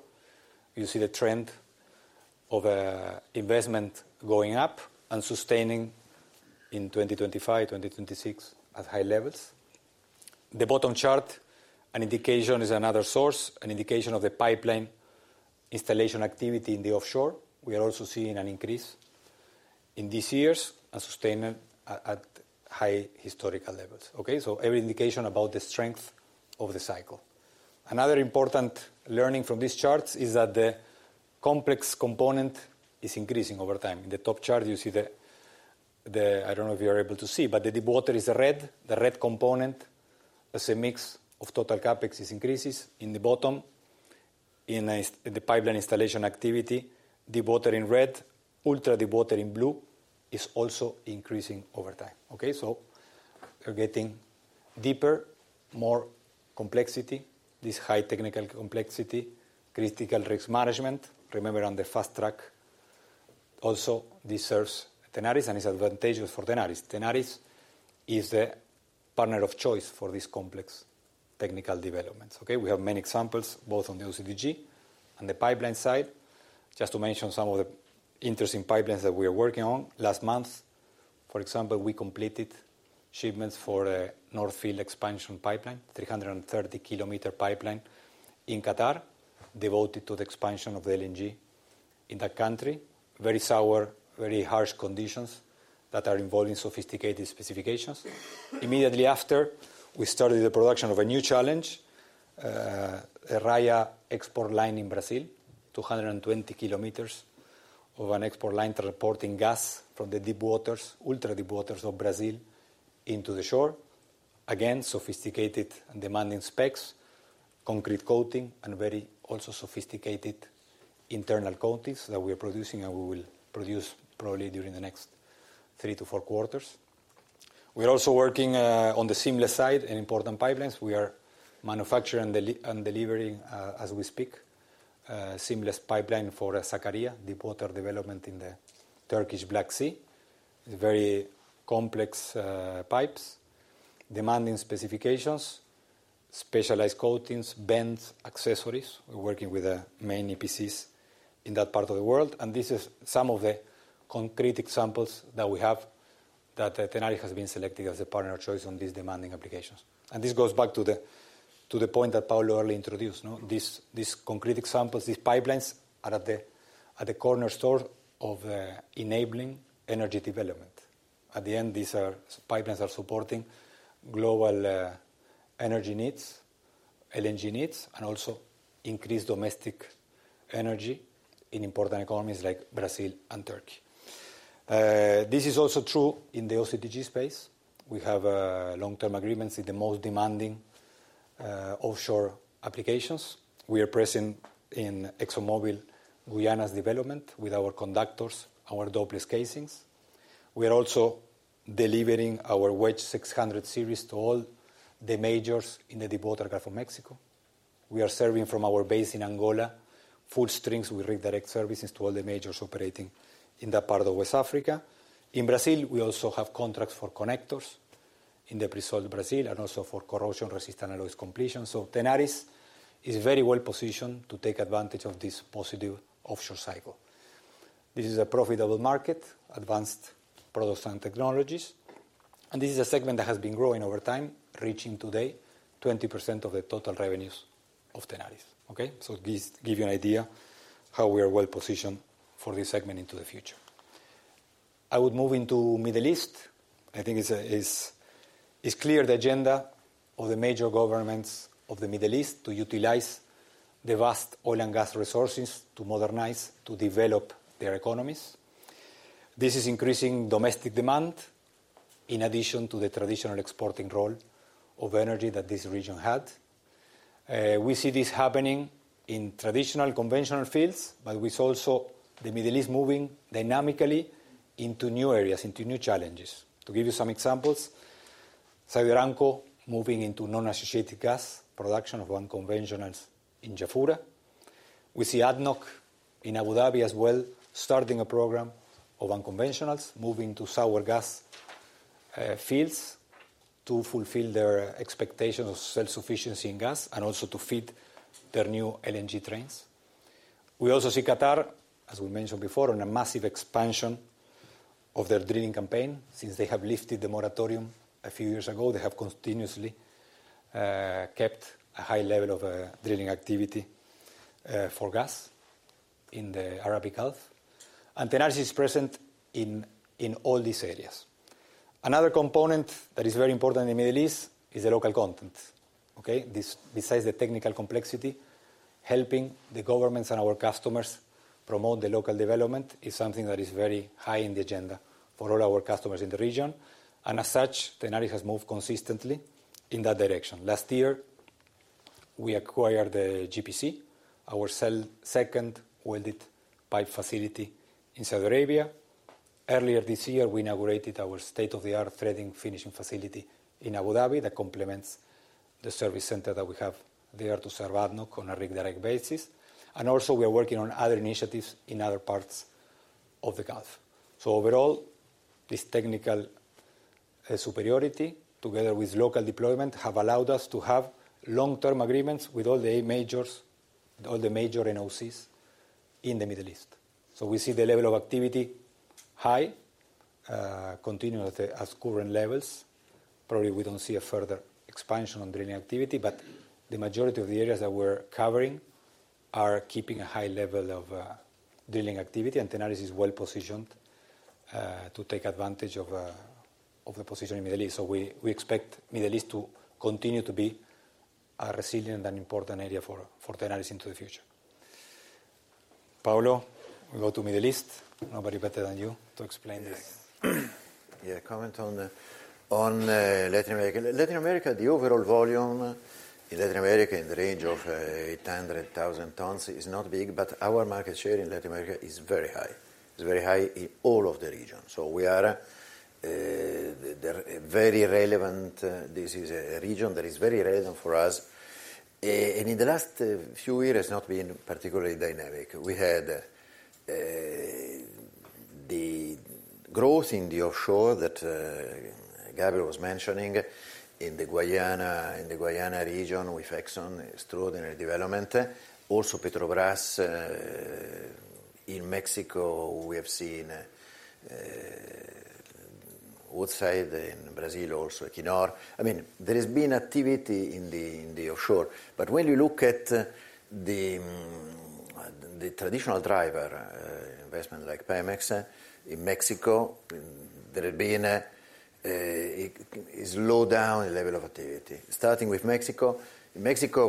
You see the trend of investment going up and sustaining in 2025, 2026, at high levels. The bottom chart, an indication, is another source, an indication of the pipeline installation activity in the offshore. We are also seeing an increase in these years and sustained at high historical levels, okay? So every indication about the strength of the cycle. Another important learning from these charts is that the complex component is increasing over time. In the top chart, you see the—I don't know if you are able to see, but the deep water is red. The red component is a mix of total CapEx increases. In the bottom, in the pipeline installation activity, deep water in red, ultra deep water in blue, is also increasing over time, okay? So we're getting deeper, more complexity, this high technical complexity, critical risk management. Remember, on the fast track also, this serves Tenaris and is advantageous for Tenaris. Tenaris is the partner of choice for these complex technical developments, okay? We have many examples, both on the OCTG and the pipeline side. Just to mention some of the interesting pipelines that we are working on. Last month, for example, we completed shipments for a North Field expansion pipeline, 330-kilometer pipeline in Qatar, devoted to the expansion of the LNG in that country. Very sour, very harsh conditions that are involving sophisticated specifications. Immediately after, we started the production of a new challenge, Raia export line in Brazil, 220 kilometers of an export line transporting gas from the deep waters, ultra deep waters of Brazil into the shore. Again, sophisticated and demanding specs, concrete coating, and very also sophisticated internal coatings that we are producing and we will produce probably during the next three to four quarters. We are also working on the seamless side in important pipelines. We are manufacturing and delivering, as we speak, a seamless pipeline for Sakarya, deepwater development in the Turkish Black Sea. Very complex pipes, demanding specifications, specialized coatings, bends, accessories. We're working with the main EPCs in that part of the world, and this is some of the concrete examples that we have that Tenaris has been selected as a partner of choice on these demanding applications. This goes back to the point that Paolo earlier introduced, no? These concrete examples, these pipelines are at the cornerstone of enabling energy development. At the end, these pipelines are supporting global energy needs, LNG needs, and also increased domestic energy in important economies like Brazil and Turkey. This is also true in the OCTG space. We have long-term agreements in the most demanding offshore applications. We are present in ExxonMobil Guyana's development with our conductors, our doubles casings. We are also delivering our Wedge 600 series to all the majors in the deepwater Gulf of Mexico. We are serving from our base in Angola, full strings with Rig Direct services to all the majors operating in that part of West Africa. In Brazil, we also have contracts for connectors in the pre-salt Brazil, and also for corrosion-resistant alloys completion. So Tenaris is very well positioned to take advantage of this positive offshore cycle. This is a profitable market, advanced products and technologies, and this is a segment that has been growing over time, reaching today 20% of the total revenues of Tenaris, okay? So this give you an idea how we are well positioned for this segment into the future. I would move into Middle East. I think it's clear the agenda of the major governments of the Middle East to utilize the vast oil and gas resources to modernize, to develop their economies. This is increasing domestic demand in addition to the traditional exporting role of energy that this region had. We see this happening in traditional conventional fields, but we see also the Middle East moving dynamically into new areas, into new challenges. To give you some examples, Saudi Aramco moving into non-associated gas, production of unconventionals in Jafurah. We see ADNOC in Abu Dhabi as well, starting a program of unconventionals, moving to sour gas fields to fulfill their expectation of self-sufficiency in gas and also to feed their new LNG trains. We also see Qatar, as we mentioned before, on a massive expansion of their drilling campaign. Since they have lifted the moratorium a few years ago, they have continuously kept a high level of drilling activity for gas in the Arabian Gulf, and Tenaris is present in all these areas. Another component that is very important in the Middle East is the local content, okay? Besides the technical complexity, helping the governments and our customers promote the local development is something that is very high in the agenda for all our customers in the region, and as such, Tenaris has moved consistently in that direction. Last year, we acquired the GPC, our second welded pipe facility in Saudi Arabia. Earlier this year, we inaugurated our state-of-the-art threading finishing facility in Abu Dhabi that complements the service center that we have there to serve ADNOC on a Rig Direct basis. We are working on other initiatives in other parts of the Gulf. Overall, this technical superiority together with local deployment have allowed us to have long-term agreements with all the majors, all the major NOCs in the Middle East. We see the level of activity high, continuing at current levels. Probably, we don't see a further expansion on drilling activity, but the majority of the areas that we're covering are keeping a high level of drilling activity. And Tenaris is well positioned to take advantage of the position in Middle East. We expect Middle East to continue to be a resilient and important area for Tenaris into the future. Paolo, we go to Middle East. Nobody better than you to explain this.
Yes. Yeah, comment on the, on, Latin America. Latin America, the overall volume in Latin America, in the range of 800,000 tons, is not big, but our market share in Latin America is very high. It's very high in all of the region, so we are the very relevant. This is a region that is very relevant for us. And in the last few years, not been particularly dynamic. We had the growth in the offshore that Gabriel was mentioning in the Guyana, in the Guyana region with Exxon, extraordinary development. Also, Petrobras, in Mexico, we have seen, offshore in Brazil, also Equinor. I mean, there has been activity in the offshore, but when you look at the traditional driver, investment like Pemex in Mexico, there has been a slowdown in the level of activity. Starting with Mexico, in Mexico,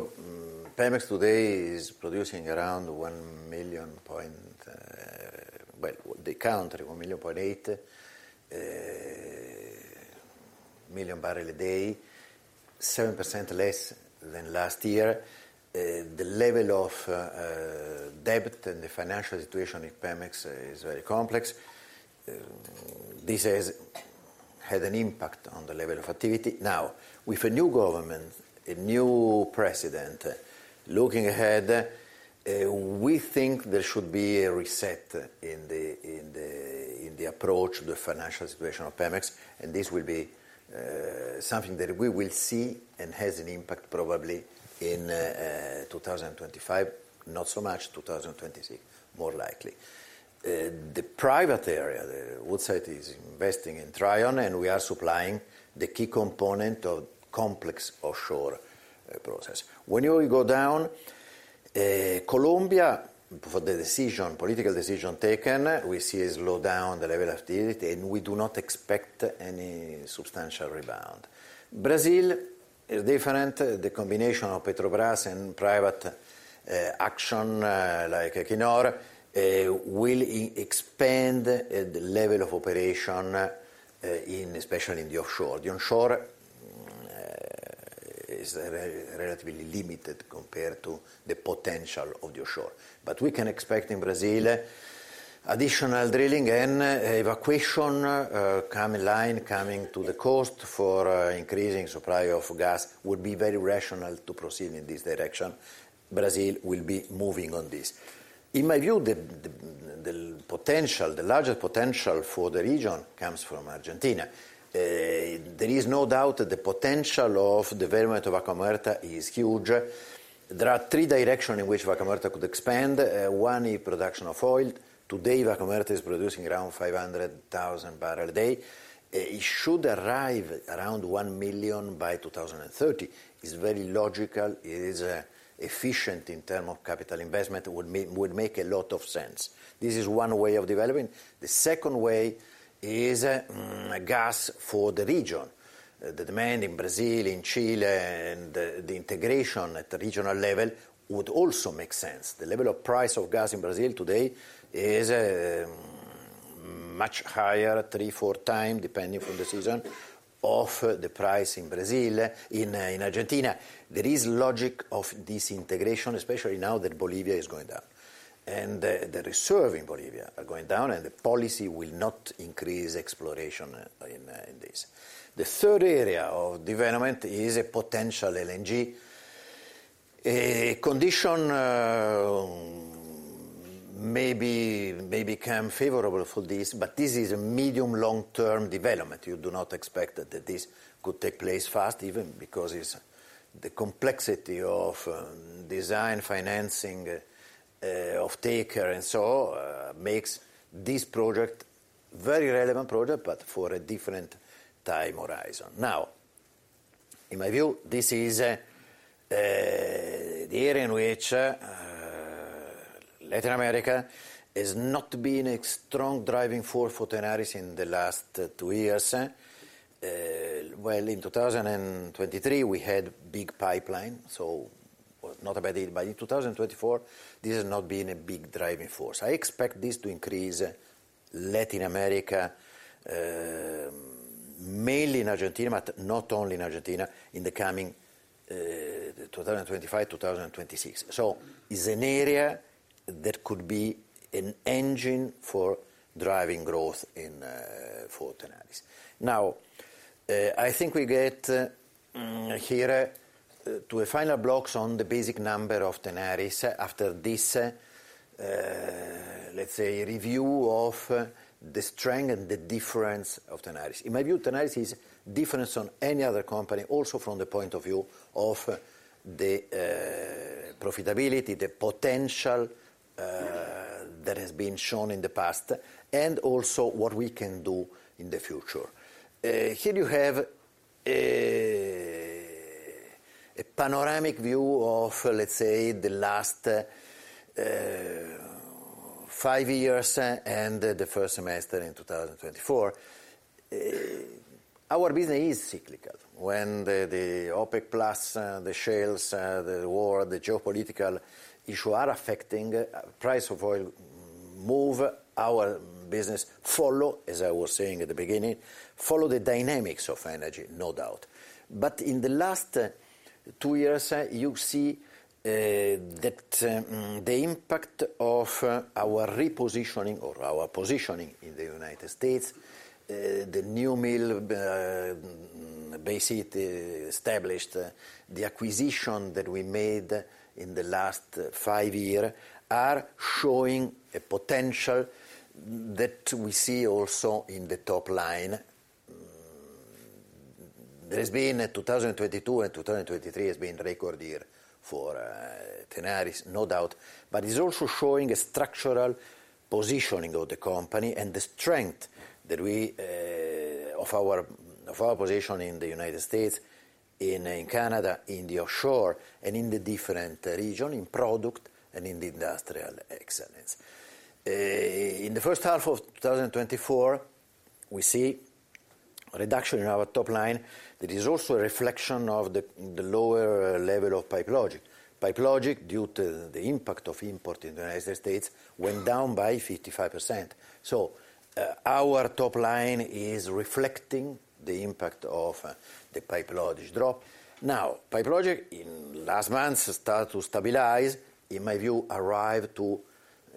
Pemex today is producing around 1 million. Well, they count 1.8 million barrels a day, 7% less than last year. The level of debt and the financial situation in Pemex is very complex. This has had an impact on the level of activity. Now, with a new government, a new president, looking ahead, we think there should be a reset in the approach, the financial situation of Pemex, and this will be something that we will see and has an impact probably in 2025, not so much 2026, more likely. The private sector, Woodside, is investing in Trion, and we are supplying the key component of complex offshore process. When you go down to Colombia, following the political decision taken, we see a slowdown in the level of activity, and we do not expect any substantial rebound. Brazil is different. The combination of Petrobras and private action like Equinor will expand the level of operation especially in the offshore. The onshore is relatively limited compared to the potential of the offshore. But we can expect in Brazil additional drilling and evacuation come in line, coming to the coast for increasing supply of gas, would be very rational to proceed in this direction. Brazil will be moving on this. In my view, the potential, the largest potential for the region comes from Argentina. There is no doubt that the potential of development of Vaca Muerta is huge. There are three directions in which Vaca Muerta could expand. One is production of oil. Today, Vaca Muerta is producing around five hundred thousand barrels a day. It should arrive around one million by 2030. It's very logical, it is efficient in terms of capital investment, would make a lot of sense. This is one way of developing. The second way is gas for the region. The demand in Brazil, in Chile, and the integration at the regional level would also make sense. The level of price of gas in Brazil today is much higher, three, four times, depending on the season, of the price in Argentina. In Argentina, there is logic of this integration, especially now that Bolivia is going down, and the reserves in Bolivia are going down, and the policy will not increase exploration in this. The third area of development is a potential LNG. A condition may be, may become favorable for this, but this is a medium, long-term development. You do not expect that this could take place fast, even because it's the complexity of design, financing, offtaker, and so makes this project very relevant project, but for a different time horizon. Now, in my view, this is the area in which Latin America has not been a strong driving force for Tenaris in the last two years, well, in 2023, we had big pipeline, so was not a bad deal, but in 2024, this has not been a big driving force. I expect this to increase Latin America, mainly in Argentina, but not only in Argentina, in the coming 2025, 2026, so it's an area that could be an engine for driving growth in for Tenaris. Now, I think we get here to the final blocks on the basic number of Tenaris after this, let's say, a review of the strength and the difference of Tenaris. In my view, Tenaris is different from any other company, also from the point of view of, the, profitability, the potential, that has been shown in the past, and also what we can do in the future. Here you have a panoramic view of, let's say, the last, five years, and the first semester in two thousand and twenty-four. Our business is cyclical. When the, the OPEC Plus, the shales, the war, the geopolitical issue are affecting, price of oil, move our business, follow, as I was saying at the beginning, follow the dynamics of energy, no doubt. But in the last two years, you see that the impact of our repositioning or our positioning in the United States, the new mill basically established, the acquisition that we made in the last five years, are showing a potential that we see also in the top line. There has been two thousand and twenty-two and two thousand and twenty-three has been record years for Tenaris, no doubt, but it's also showing a structural positioning of the company and the strength of our position in the United States, in Canada, in the offshore, and in the different regions, products, and in the industrial excellence. In the first half of two thousand and twenty-four, we see a reduction in our top line. That is also a reflection of the lower level of Pipe Logix. Pipe Logix, due to the impact of imports in the United States, went down by 55%. Our top line is reflecting the impact of the Pipe Logix drop. Now, Pipe Logix in last month start to stabilize, in my view, arrive to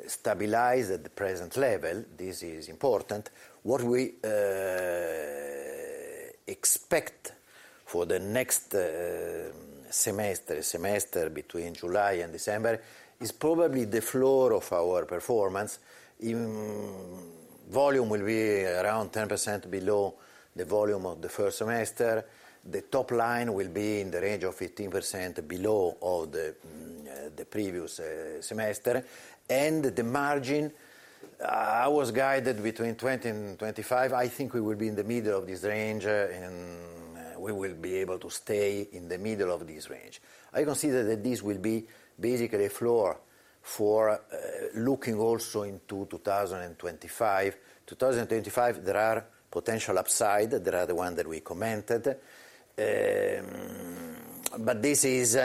stabilize at the present level. This is important. What we expect for the next semester between July and December is probably the floor of our performance. Volume will be around 10% below the volume of the first semester. The top line will be in the range of 15% below of the previous semester. The margin I was guided between 20 and 25. I think we will be in the middle of this range, and we will be able to stay in the middle of this range. I consider that this will be basically a floor for, looking also into two thousand and twenty-five. Two thousand and twenty-five, there are potential upside. There are the one that we commented. But this is,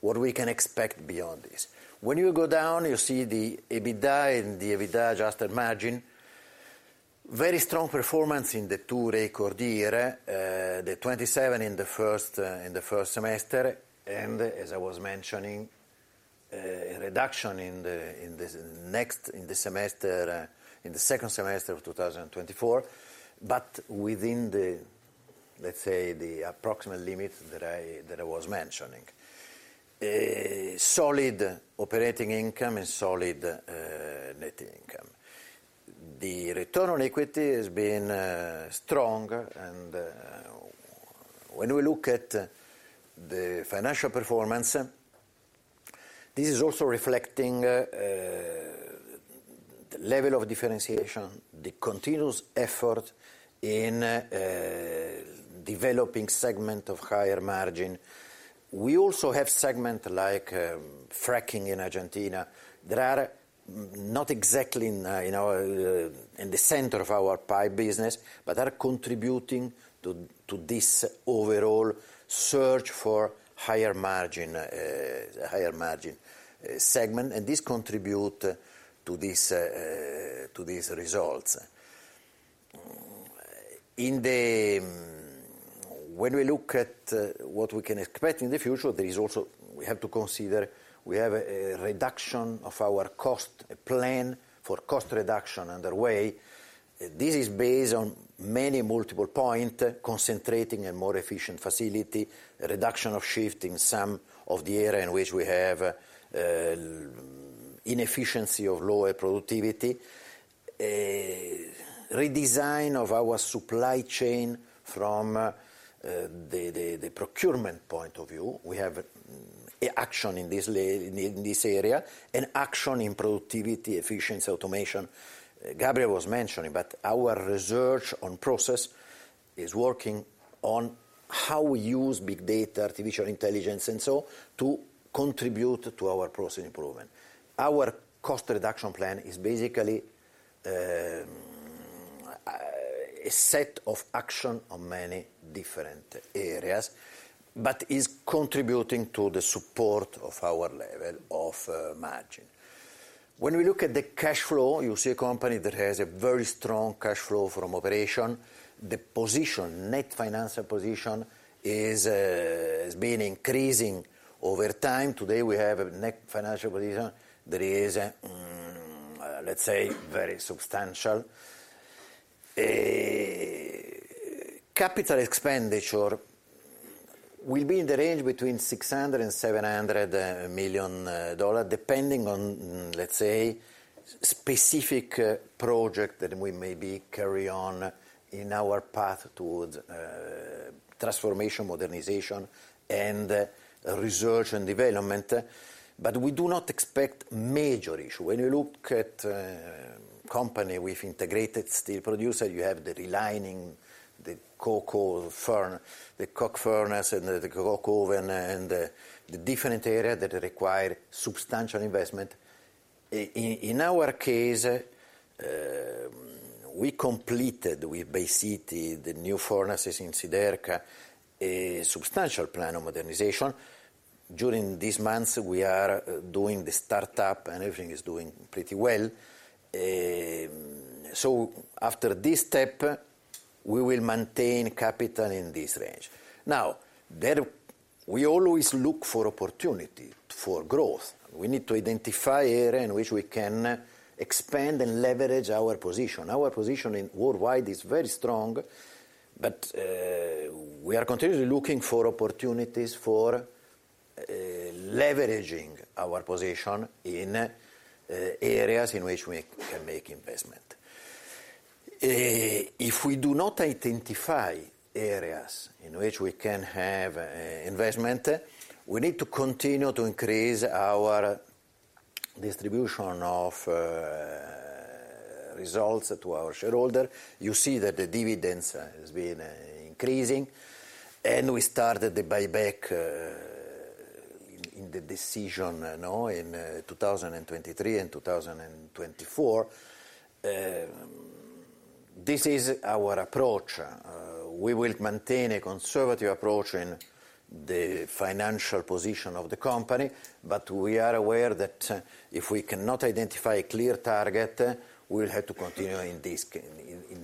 what we can expect beyond this. When you go down, you see the EBITDA and the EBITDA adjusted margin. Very strong performance in the two record year, the twenty-seven in the first semester, and as I was mentioning, reduction in this next semester, in the second semester of two thousand and twenty-four, but within the, let's say, the approximate limit that I, that I was mentioning. A solid operating income and solid net income. The return on equity has been strong, and when we look at the financial performance, this is also reflecting the level of differentiation, the continuous effort in developing segment of higher margin. We also have segment like fracking in Argentina, that are not exactly in the center of our pipe business, but are contributing to this overall search for higher margin higher margin segment, and this contribute to this to these results. When we look at what we can expect in the future, there is also we have to consider we have a reduction of our cost, a plan for cost reduction underway. This is based on many multiple points, concentrating a more efficient facility, a reduction of shifts in some of the areas in which we have inefficiency of lower productivity, a redesign of our supply chain from the procurement point of view. We have actions in this area, and actions in productivity, efficiency, automation. Gabriel was mentioning, but our research on process is working on how we use big data, artificial intelligence, and so to contribute to our process improvement. Our cost reduction plan is basically a set of actions on many different areas, but is contributing to the support of our level of margin. When we look at the cash flow, you see a company that has a very strong cash flow from operation. The net financial position has been increasing over time. Today, we have a net financial position that is, let's say, very substantial. Capital expenditure will be in the range between $600 million and $700 million, depending on, let's say, specific project that we maybe carry on in our path towards transformation, modernization, and research and development, but we do not expect major issue. When you look at company with integrated steel producer, you have the relining, the coke oven furnace and the coke oven, and the different area that require substantial investment. In our case, we completed, we basically, the new furnaces in Siderca, a substantial plan of modernization. During these months, we are doing the startup, and everything is doing pretty well. So after this step, we will maintain capital in this range. Now, there we always look for opportunity for growth. We need to identify area in which we can expand and leverage our position. Our position in worldwide is very strong, but we are continually looking for opportunities for leveraging our position in areas in which we can make investment. If we do not identify areas in which we can have investment, we need to continue to increase our distribution of results to our shareholder. You see that the dividends has been increasing, and we started the buyback in two thousand and twenty-three and two thousand and twenty-four. This is our approach. We will maintain a conservative approach in the financial position of the company, but we are aware that if we cannot identify a clear target, we'll have to continue in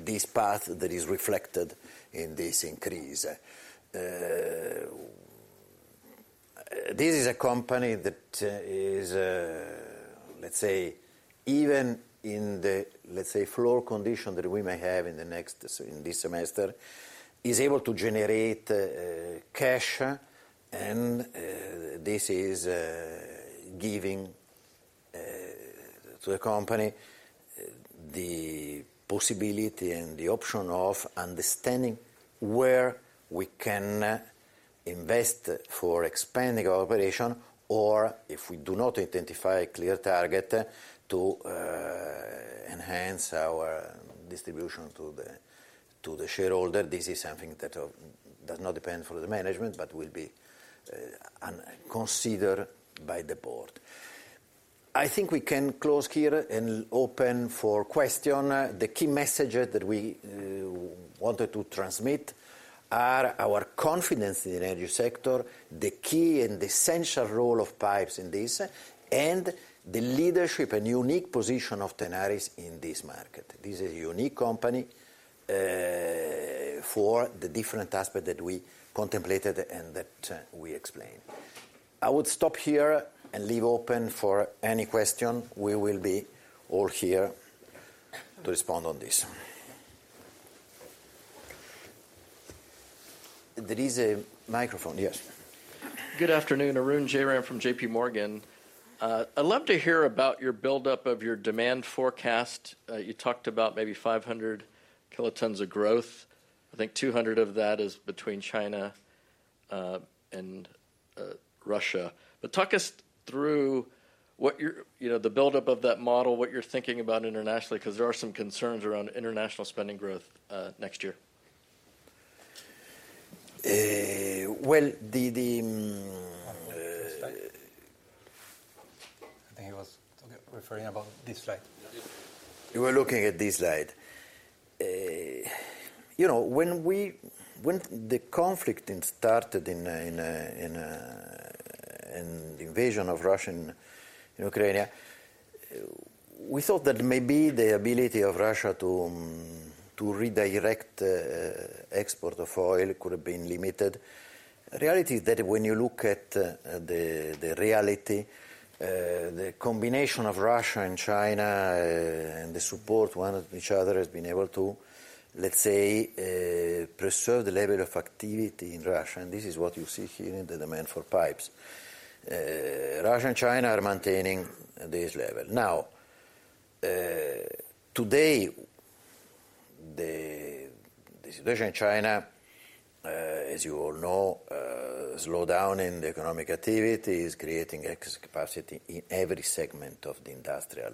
this path that is reflected in this increase. This is a company that is, let's say, even in the, let's say, floor condition that we may have in the next semester, is able to generate cash. And this is giving to the company the possibility and the option of understanding where we can invest for expanding our operation, or if we do not identify a clear target, to enhance our distribution to the shareholder. This is something that does not depend for the management, but will be considered by the board. I think we can close here and open for question. The key message that we wanted to transmit are our confidence in the energy sector, the key and the essential role of pipes in this, and the leadership and unique position of Tenaris in this market. This is a unique company, for the different aspect that we contemplated and that we explained. I would stop here and leave open for any question. We will be all here to respond on this. There is a microphone. Yes.
Good afternoon, Arun Jayaram from JP Morgan. I'd love to hear about your build-up of your demand forecast. You talked about maybe five hundred kilotons of growth. I think two hundred of that is between China and Russia. But talk us through what you're... You know, the build-up of that model, what you're thinking about internationally, 'cause there are some concerns around international spending growth next year.
Well, the.
I think he was referring about this slide.
You were looking at this slide. You know, when the conflict started in the invasion of Russia and Ukraine, we thought that maybe the ability of Russia to redirect export of oil could have been limited. The reality is that when you look at the reality, the combination of Russia and China, and they support one each other, has been able to, let's say, preserve the level of activity in Russia, and this is what you see here in the demand for pipes. Russia and China are maintaining this level. Now, today, the situation in China, as you all know, slow down in the economic activity is creating excess capacity in every segment of the industrial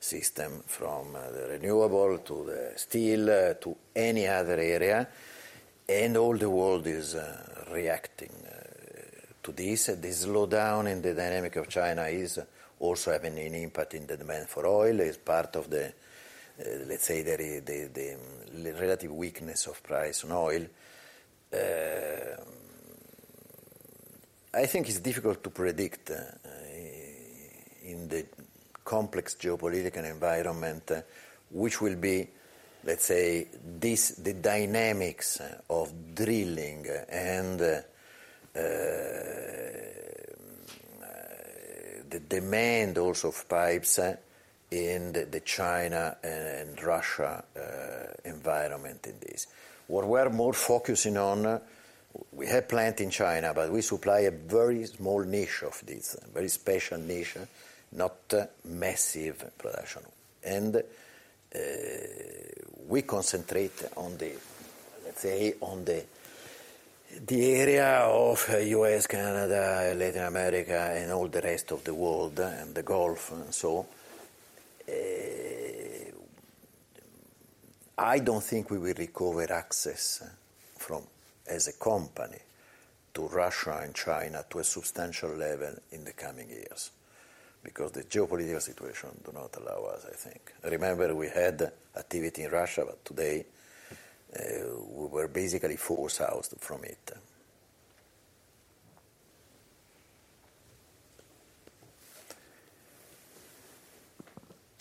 system, from the renewable to the steel, to any other area, and all the world is reacting to this. This slowdown in the dynamic of China is also having an impact in the demand for oil, is part of the, let's say, the relative weakness of price on oil. I think it's difficult to predict in the complex geopolitical environment, which will be, let's say, this, the dynamics of drilling and the demand also of pipes in the China and Russia environment in this. What we're more focusing on, we have plant in China, but we supply a very small niche of this, a very special niche, not massive production. We concentrate on the, let's say, area of US, Canada, Latin America, and all the rest of the world, and the Gulf, and so on. I don't think we will recover access from, as a company, to Russia and China to a substantial level in the coming years, because the geopolitical situation do not allow us, I think. Remember, we had activity in Russia, but today, we were basically forced out from it.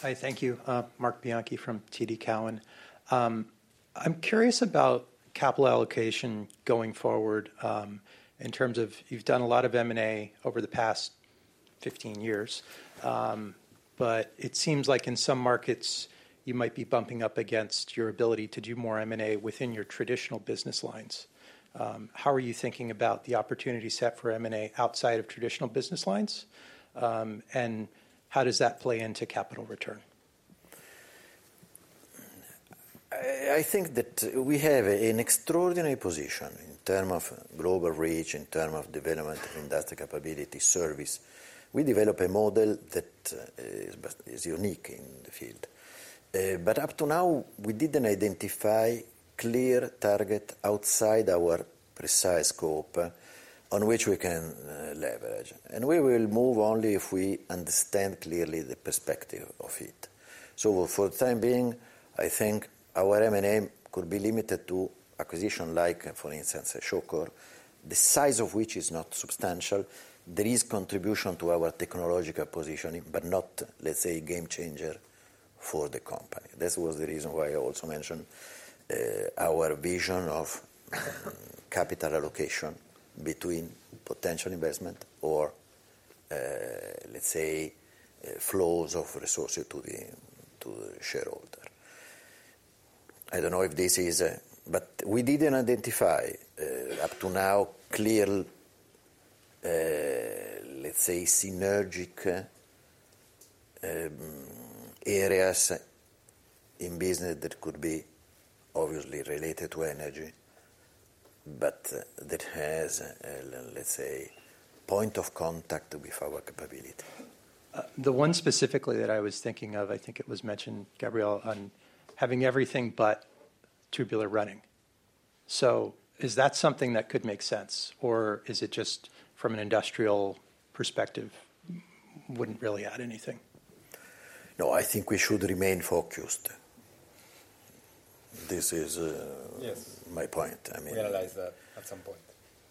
Hi, thank you. Marc Bianchi from TD Cowen. I'm curious about capital allocation going forward, in terms of you've done a lot of M&A over the past fifteen years. But it seems like in some markets, you might be bumping up against your ability to do more M&A within your traditional business lines. How are you thinking about the opportunity set for M&A outside of traditional business lines? And how does that play into capital return?
I think that we have an extraordinary position in terms of global reach, in terms of development, industrial capability, service. We develop a model that is unique in the field. But up to now, we didn't identify clear target outside our precise scope on which we can leverage, and we will move only if we understand clearly the perspective of it. So for the time being, I think our M&A could be limited to acquisition, like, for instance, Shawcor, the size of which is not substantial. There is contribution to our technological positioning, but not, let's say, game changer for the company. This was the reason why I also mentioned our vision of capital allocation between potential investment or, let's say, flows of resources to the shareholder. I don't know if this is a... But we didn't identify up to now clear let's say synergistic areas in business that could be obviously related to energy but that has let's say point of contact with our capability.
The one specifically that I was thinking of, I think it was mentioned, Gabriel, on having everything but tubular running. So is that something that could make sense, or is it just from an industrial perspective, wouldn't really add anything?
No, I think we should remain focused. This is-
Yes
My point. I mean-
We analyze that at some point.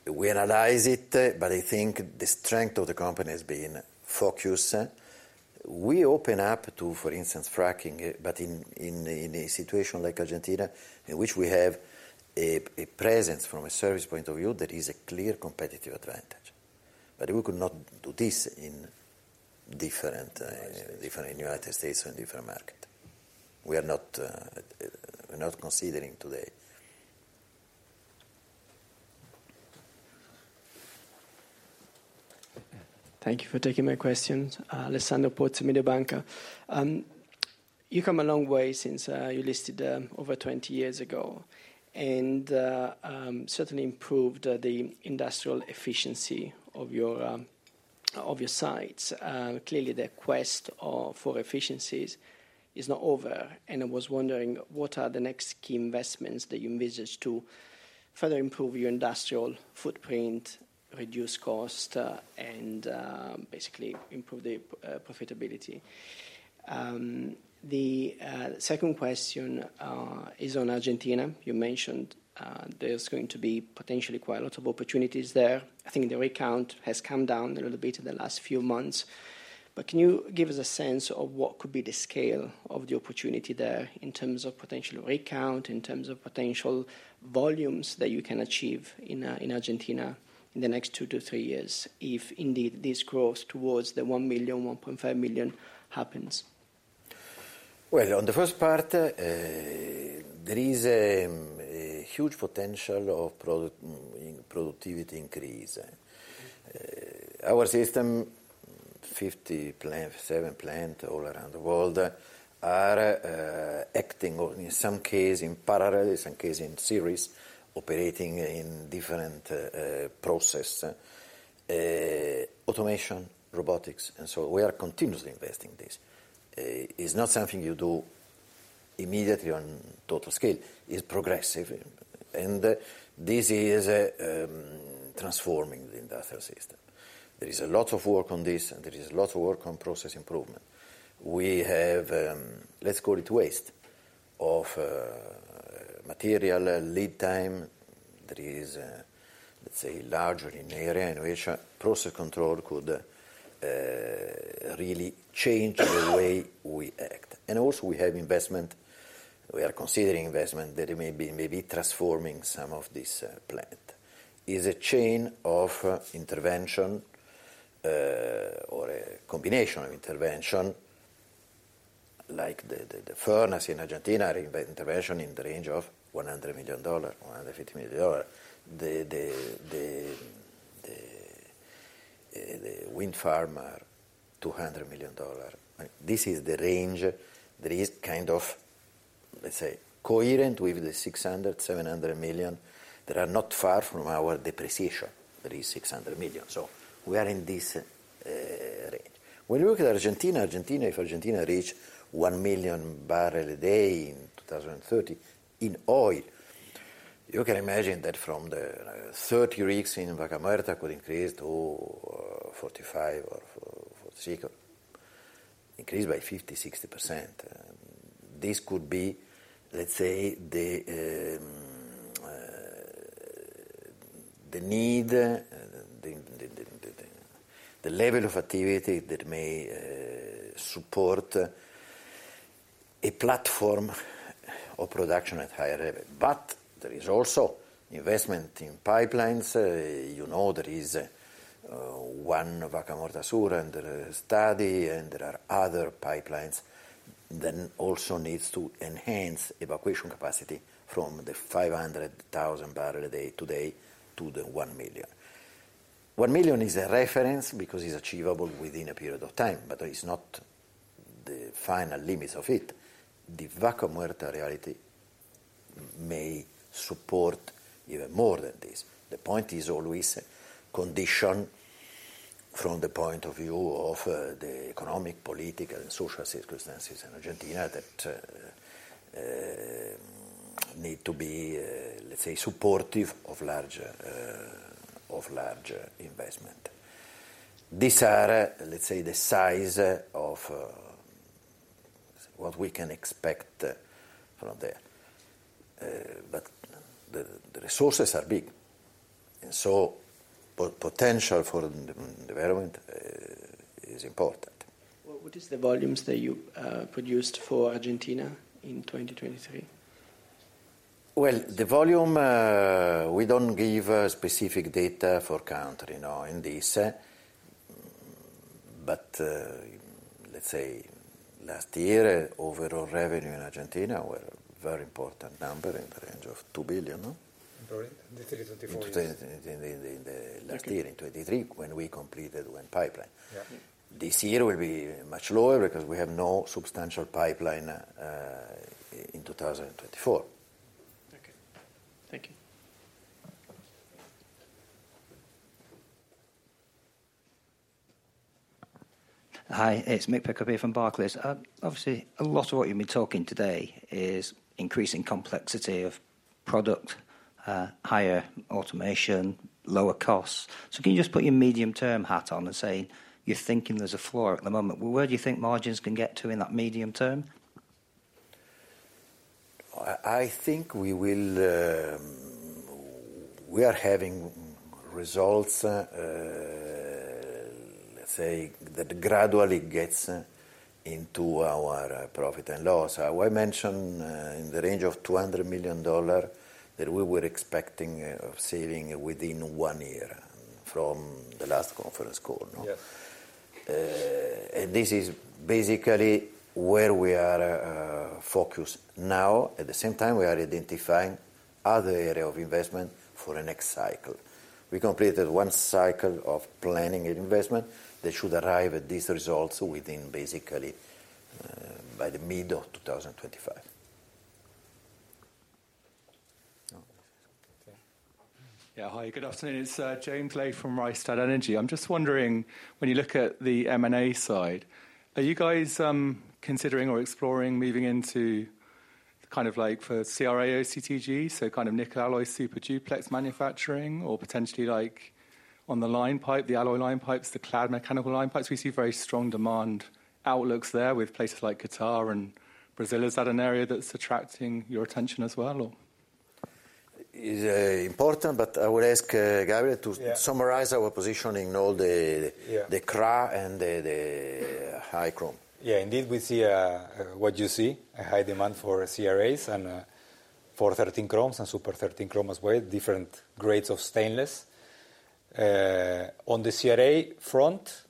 We analyze it, but I think the strength of the company has been focus. We open up to, for instance, fracking, but in a situation like Argentina, in which we have a presence from a service point of view, there is a clear competitive advantage. But we could not do this in different United States or a different market. We are not considering today.
Thank you for taking my questions. Alessandro Pozzi, Mediobanca. You come a long way since you listed over twenty years ago, and certainly improved the industrial efficiency of your sites. Clearly, the quest for efficiencies is not over, and I was wondering, what are the next key investments that you envisage to further improve your industrial footprint, reduce cost, and basically improve the profitability? The second question is on Argentina. You mentioned there's going to be potentially quite a lot of opportunities there. I think the rig count has come down a little bit in the last few months, but can you give us a sense of what could be the scale of the opportunity there in terms of potential rig count, in terms of potential volumes that you can achieve in Argentina in the next two to three years, if indeed this grows towards the 1 million, 1.5 million happens?
On the first part, there is a huge potential of productivity increase. Our 50 plants, 70 plants all around the world are acting on, in some cases in parallel, in some cases in series, operating in different process automation, robotics, and so we are continuously investing in this. It's not something you do immediately on total scale, it's progressive, and this is transforming the industrial system. There is a lot of work on this, and there is a lot of work on process improvement. We have, let's call it waste of material, lead time. There is, let's say, larger areas in which process control could really change the way we act. We also have investments we are considering that may be, maybe transforming some of these plants is a chain of intervention, or a combination of intervention, like the furnace in Argentina, the intervention in the range of $100 million-$150 million. The wind farm is $200 million, right? This is the range that is kind of, let's say, coherent with the $600-$700 million, that are not far from our depreciation, that is $600 million. So we are in this range. When you look at Argentina, if Argentina reaches 1 million barrels a day in 2030 in oil, you can imagine that from the 30 rigs in Vaca Muerta could increase to 45 or 46, increase by 50-60%. This could be, let's say, the level of activity that may support a platform of production at higher level. But there is also investment in pipelines. You know, there is one Vaca Muerta Sur, and there is study, and there are other pipelines that also needs to enhance evacuation capacity from the five hundred thousand barrel a day today to the one million. One million is a reference because it's achievable within a period of time, but it's not the final limits of it. The Vaca Muerta reality may support even more than this. The point is always condition from the point of view of the economic, political, and social circumstances in Argentina that need to be, let's say, supportive of large, of large investment. These are, let's say, the size of what we can expect from the... but the resources are big, and so the potential for development is important.
What is the volumes that you produced for Argentina in 2023?
The volume, we don't give specific data for country, no, in this, but let's say, last year, overall revenue in Argentina were very important number in the range of $2 billion, no?
In 2024.
In the last year, in 2023, when we completed one pipeline.
Yeah.
This year will be much lower because we have no substantial pipeline in 2024.
Okay. Thank you.
Hi, it's Mick Pickup from Barclays. Obviously, a lot of what you've been talking today is increasing complexity of product, higher automation, lower costs. Can you just put your medium-term hat on and say you're thinking there's a floor at the moment? Where do you think margins can get to in that medium term?
I think we will. We are having results, let's say, that gradually gets into our profit and loss. I mentioned in the range of $200 million, that we were expecting of saving within one year from the last conference call, no?
Yes.
And this is basically where we are focused now. At the same time, we are identifying other area of investment for the next cycle. We completed one cycle of planning investment that should arrive at these results within basically by mid-2025. Oh, okay.
Yeah. Hi, good afternoon. It's James Ley from Rystad Energy. I'm just wondering, when you look at the M&A side, are you guys considering or exploring moving into kind of like for CRA OCTG, so kind of nickel alloy, super duplex manufacturing, or potentially like on the line pipe, the alloy line pipes, the clad mechanical line pipes? We see very strong demand outlooks there with places like Qatar and Brazil. Is that an area that's attracting your attention as well, or?
Is important, but I would ask Gabriel-
Yeah
To summarize our position in all the-
Yeah
The CRA and the high chrome.
Yeah, indeed, we see what you see, a high demand for CRAs and for 13 Chromes and Super 13 Chrome as well, different grades of stainless. On the CRA front,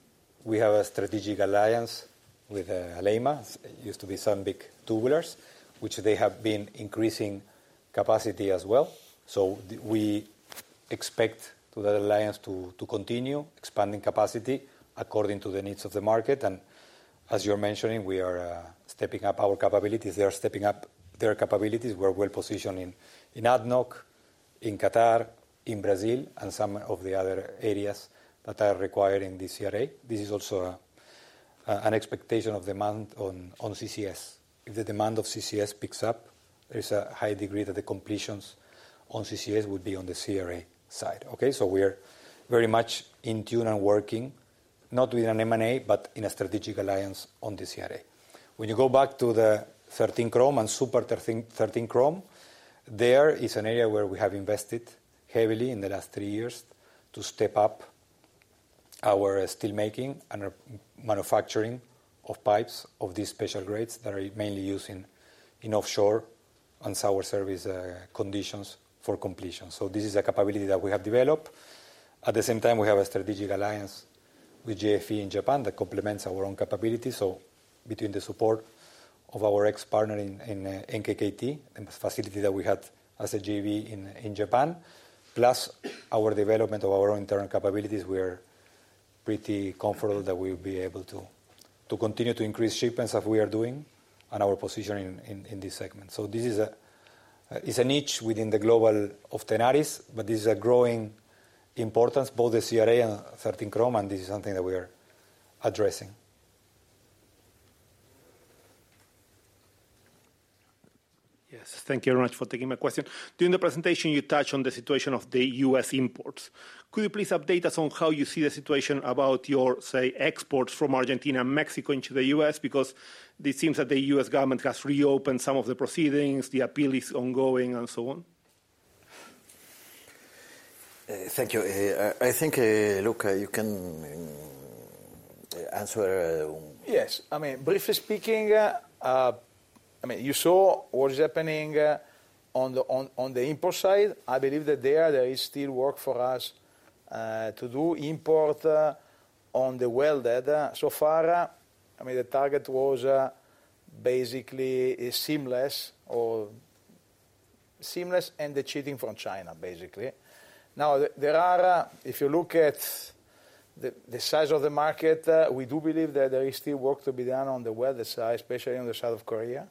we have a strategic alliance with Alleima, used to be Sandvik Tubulars, which they have been increasing capacity as well. So we expect that alliance to continue expanding capacity according to the needs of the market, and as you're mentioning, we are stepping up our capabilities. They are stepping up their capabilities. We're well positioned in ADNOC, in Qatar, in Brazil, and some of the other areas that are requiring the CRA. This is also an expectation of demand on CCS. If the demand of CCS picks up, there's a high degree that the completions on CCS would be on the CRA side. Okay? So we are very much in tune and working, not with an M&A, but in a strategic alliance on the CRA. When you go back to the 13 Chrome and Super 13 Chrome, there is an area where we have invested heavily in the last three years to step up our steel making and our manufacturing of pipes of these special grades that are mainly used in offshore and sour service conditions for completion. So this is a capability that we have developed. At the same time, we have a strategic alliance with JFE in Japan that complements our own capabilities. So between the support of our ex-partner in NKKT, and the facility that we had as a JV in Japan, plus our development of our own internal capabilities, we are pretty comfortable that we'll be able to continue to increase shipments as we are doing, and our position in this segment. So this is a, it's a niche within the global of Tenaris, but this is a growing importance, both the CRA and 13 Chrome, and this is something that we are addressing. Yes. Thank you very much for taking my question. During the presentation, you touched on the situation of the U.S. imports. Could you please update us on how you see the situation about your, say, exports from Argentina and Mexico into the U.S.? Because it seems that the U.S. government has reopened some of the proceedings, the appeal is ongoing, and so on.
Thank you. I think Luca, you can answer.
Yes. I mean, briefly speaking, I mean, you saw what is happening on the import side. I believe that there is still work for us to do on imports on the welded side. So far, I mean, the target was basically seamless and the welded from China, basically. Now, there are... If you look at the size of the market, we do believe that there is still work to be done on the welded side, especially on the side of Korea,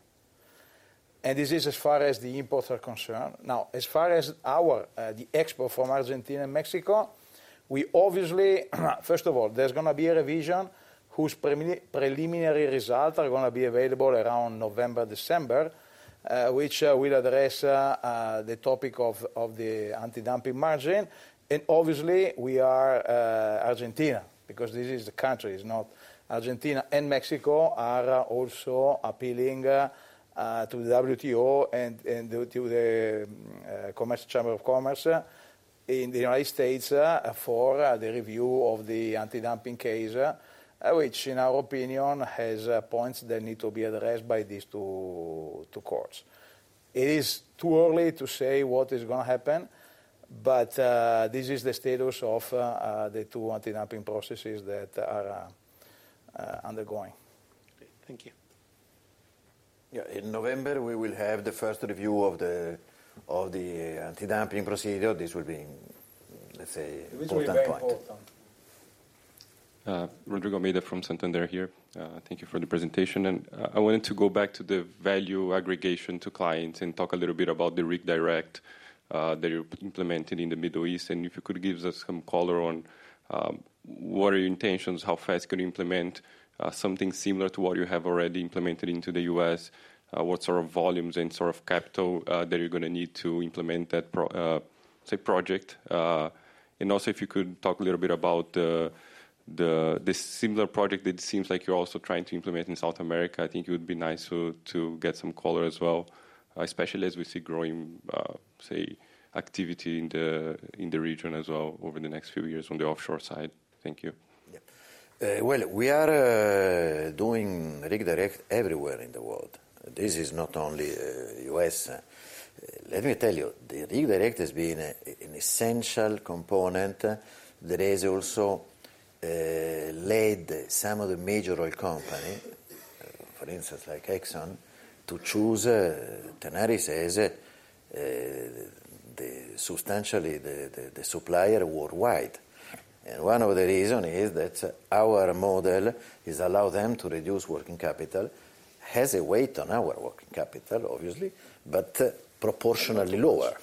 and this is as far as the imports are concerned. Now, as far as our export from Argentina and Mexico, we obviously first of all, there's gonna be a revision whose preliminary results are gonna be available around November, December, which will address the topic of the anti-dumping margin. And obviously, Argentina, because this is the country, it's not. Argentina and Mexico are also appealing to the WTO and to the Department of Commerce in the United States for the review of the anti-dumping case, which in our opinion has points that need to be addressed by these two courts. It is too early to say what is gonna happen, but this is the status of the two anti-dumping processes that are undergoing. Thank you.
Yeah, in November, we will have the first review of the anti-dumping procedure. This will be, let's say, important point.
It will be very important.
Rodrigo Almeida from Santander here. Thank you for the presentation, and I wanted to go back to the value aggregation to clients and talk a little bit about the Rig Direct that you implemented in the Middle East. And if you could give us some color on what are your intentions, how fast you can implement something similar to what you have already implemented into the U.S., what sort of volumes and sort of capital that you're gonna need to implement that project. And also, if you could talk a little bit about the similar project that it seems like you're also trying to implement in South America, I think it would be nice to get some color as well, especially as we see growing, say, activity in the region as well over the next few years on the offshore side. Thank you.
Yeah, well, we are doing Rig Direct everywhere in the world. This is not only US. Let me tell you, the Rig Direct has been an essential component that has also led some of the major oil company, for instance, like Exxon, to choose Tenaris as the substantial supplier worldwide. And one of the reason is that our model is allow them to reduce working capital, has a weight on our working capital, obviously, but proportionally lower.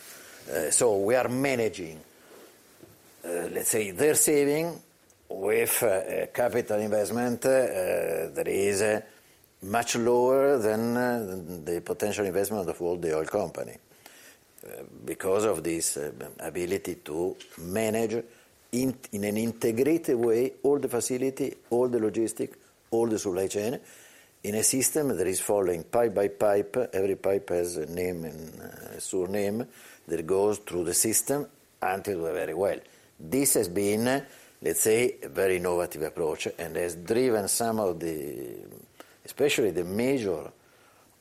So we are managing, let's say, their saving with a capital investment that is much lower than the potential investment of all the oil company. Because of this ability to manage in an integrated way, all the facility, all the logistic, all the supply chain, in a system that is following pipe by pipe. Every pipe has a name and a surname that goes through the system until we're very well. This has been, let's say, a very innovative approach and has driven some of the... especially the major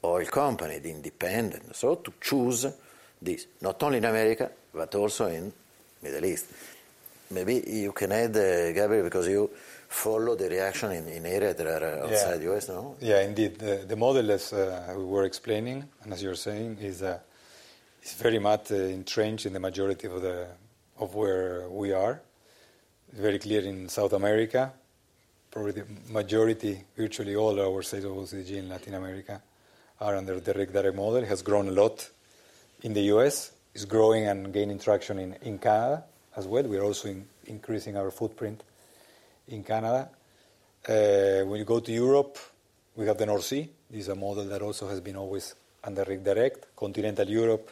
oil company, the independent, so to choose this, not only in America, but also in Middle East. Maybe you can add, Gabriel, because you follow the reaction in areas that are-
Yeah
Outside the U.S., no?
Yeah, indeed. The model, as we were explaining, and as you're saying, is very much entrenched in the majority of where we are. Very clear in South America, probably the majority, virtually all our sales of OCTG in Latin America are under the Rig Direct model, has grown a lot in the U.S., is growing and gaining traction in Canada as well. We are also increasing our footprint in Canada. When you go to Europe, we have the North Sea. This is a model that also has been always under Rig Direct. Continental Europe,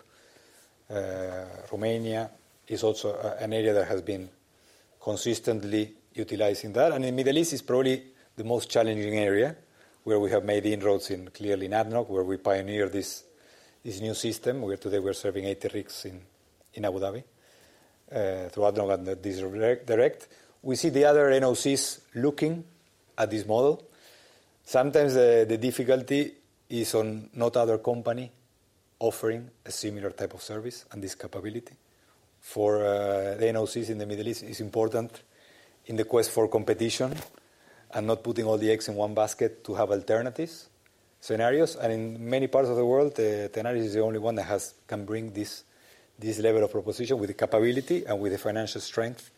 Romania is also an area that has been consistently utilizing that. And the Middle East is probably the most challenging area, where we have made inroads in, clearly in ADNOC, where we pioneered this, this new system, where today we're serving eight rigs in Abu Dhabi through ADNOC and this Rig Direct. We see the other NOCs looking at this model. Sometimes the difficulty is on not other company offering a similar type of service and this capability. For the NOCs in the Middle East, it's important in the quest for competition and not putting all the eggs in one basket to have alternatives scenarios. And in many parts of the world Tenaris is the only one that can bring this level of proposition with the capability and with the financial strength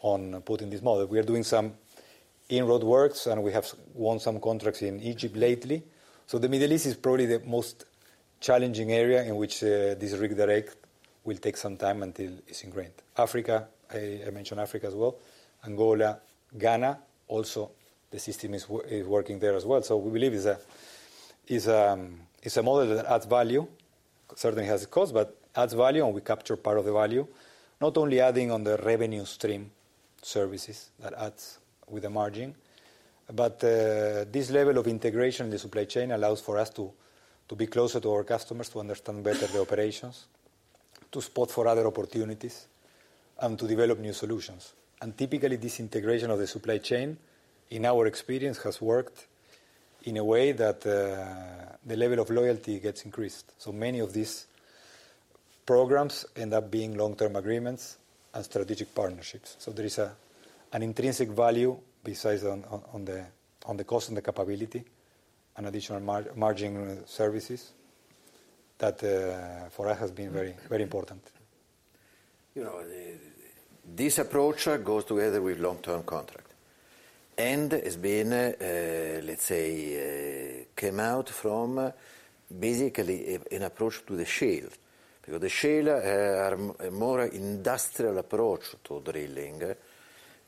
on putting this model. We are doing some in-road works, and we have won some contracts in Egypt lately. So the Middle East is probably the most challenging area in which this Rig Direct will take some time until it's ingrained. Africa, I mentioned Africa as well, Angola, Ghana, also, the system is working there as well. So we believe it's a, it's a model that adds value. Certainly, it has a cost, but adds value, and we capture part of the value, not only adding on the revenue stream services that adds with a margin, but this level of integration in the supply chain allows for us to be closer to our customers, to understand better the operations, to spot for other opportunities, and to develop new solutions. Typically, this integration of the supply chain, in our experience, has worked in a way that the level of loyalty gets increased. So many of these programs end up being long-term agreements and strategic partnerships. So there is an intrinsic value based on the cost and the capability, an additional margin, services that for us has been very, very important.
You know, this approach goes together with long-term contract, and it's been, let's say, came out from basically a, an approach to the shale. Because the shale are a more industrial approach to drilling,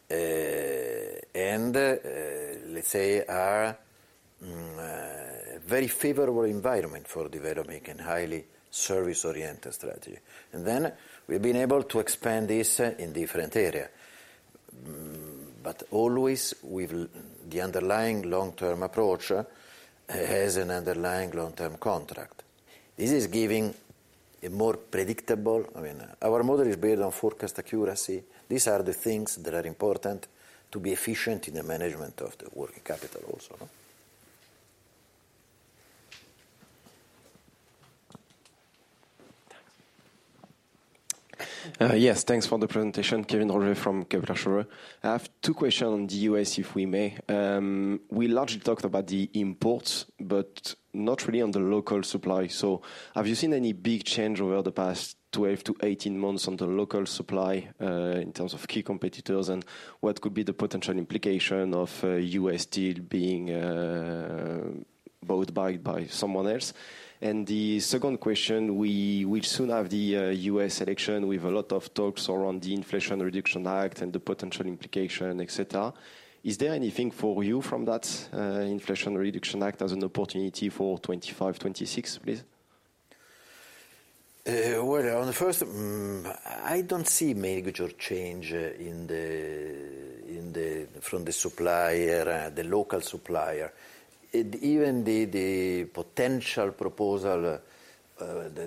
and, let's say, are a very favorable environment for developing a highly service-oriented strategy. And then, we've been able to expand this in different area, but always with the underlying long-term approach, as an underlying long-term contract. This is giving a more predictable. I mean, our model is built on forecast accuracy. These are the things that are important to be efficient in the management of the working capital also, no?
Yes, thanks for the presentation. Kevin Roger from Kepler Cheuvreux. I have two question on the U.S., if we may. We largely talked about the imports, but not really on the local supply. So have you seen any big change over the past twelve to eighteen months on the local supply, in terms of key competitors? And what could be the potential implication of, U.S. Steel being, bought by, by someone else? And the second question, we will soon have the, U.S. election, with a lot of talks around the Inflation Reduction Act and the potential implication, et cetera. Is there anything for you from that, Inflation Reduction Act as an opportunity for 2025, 2026, please?
On the first, I don't see major change in the... from the supplier, the local supplier. Even the potential proposal by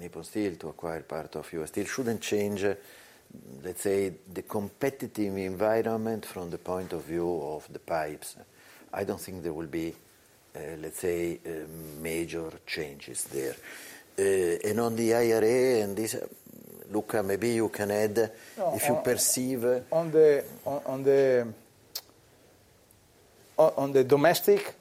Nippon Steel to acquire part of U.S. Steel shouldn't change, let's say, the competitive environment from the point of view of the pipes. I don't think there will be, let's say, major changes there. And on the IRA, and this, Luca, maybe you can add.
No, uh-
If you perceive.
On the domestic,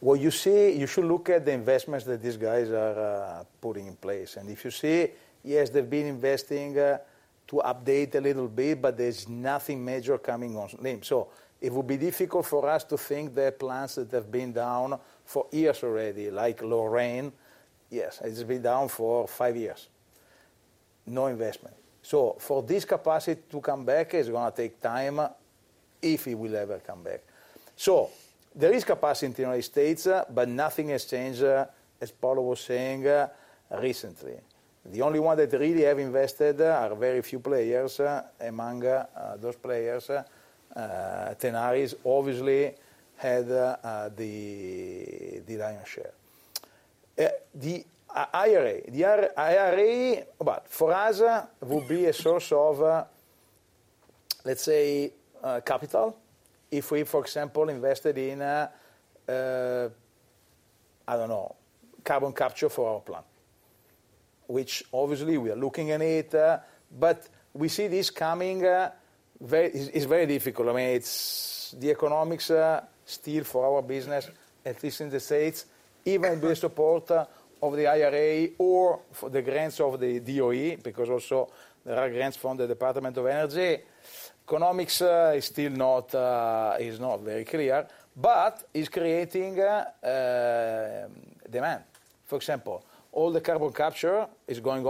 what you see, you should look at the investments that these guys are putting in place. And if you see, yes, they've been investing to update a little bit, but there's nothing major coming on stream. So it would be difficult for us to think there are plants that have been down for years already, like Lorain. Yes, it's been down for five years. No investment. So for this capacity to come back, it's gonna take time, if it will ever come back. So there is capacity in the United States, but nothing has changed, as Paolo was saying, recently. The only one that really have invested are very few players. Among those players, Tenaris obviously had the lion's share. The IRA, well, for us, would be a source of, let's say, capital if we, for example, invested in, I don't know, carbon capture for our plant, which obviously we are looking at it, but we see this coming very difficult. I mean, it's very difficult. The economics still for our business, at least in the States, even with the support of the IRA or for the grants of the DOE, because also there are grants from the Department of Energy. Economics is still not very clear, but it's creating demand. For example, all the carbon capture is going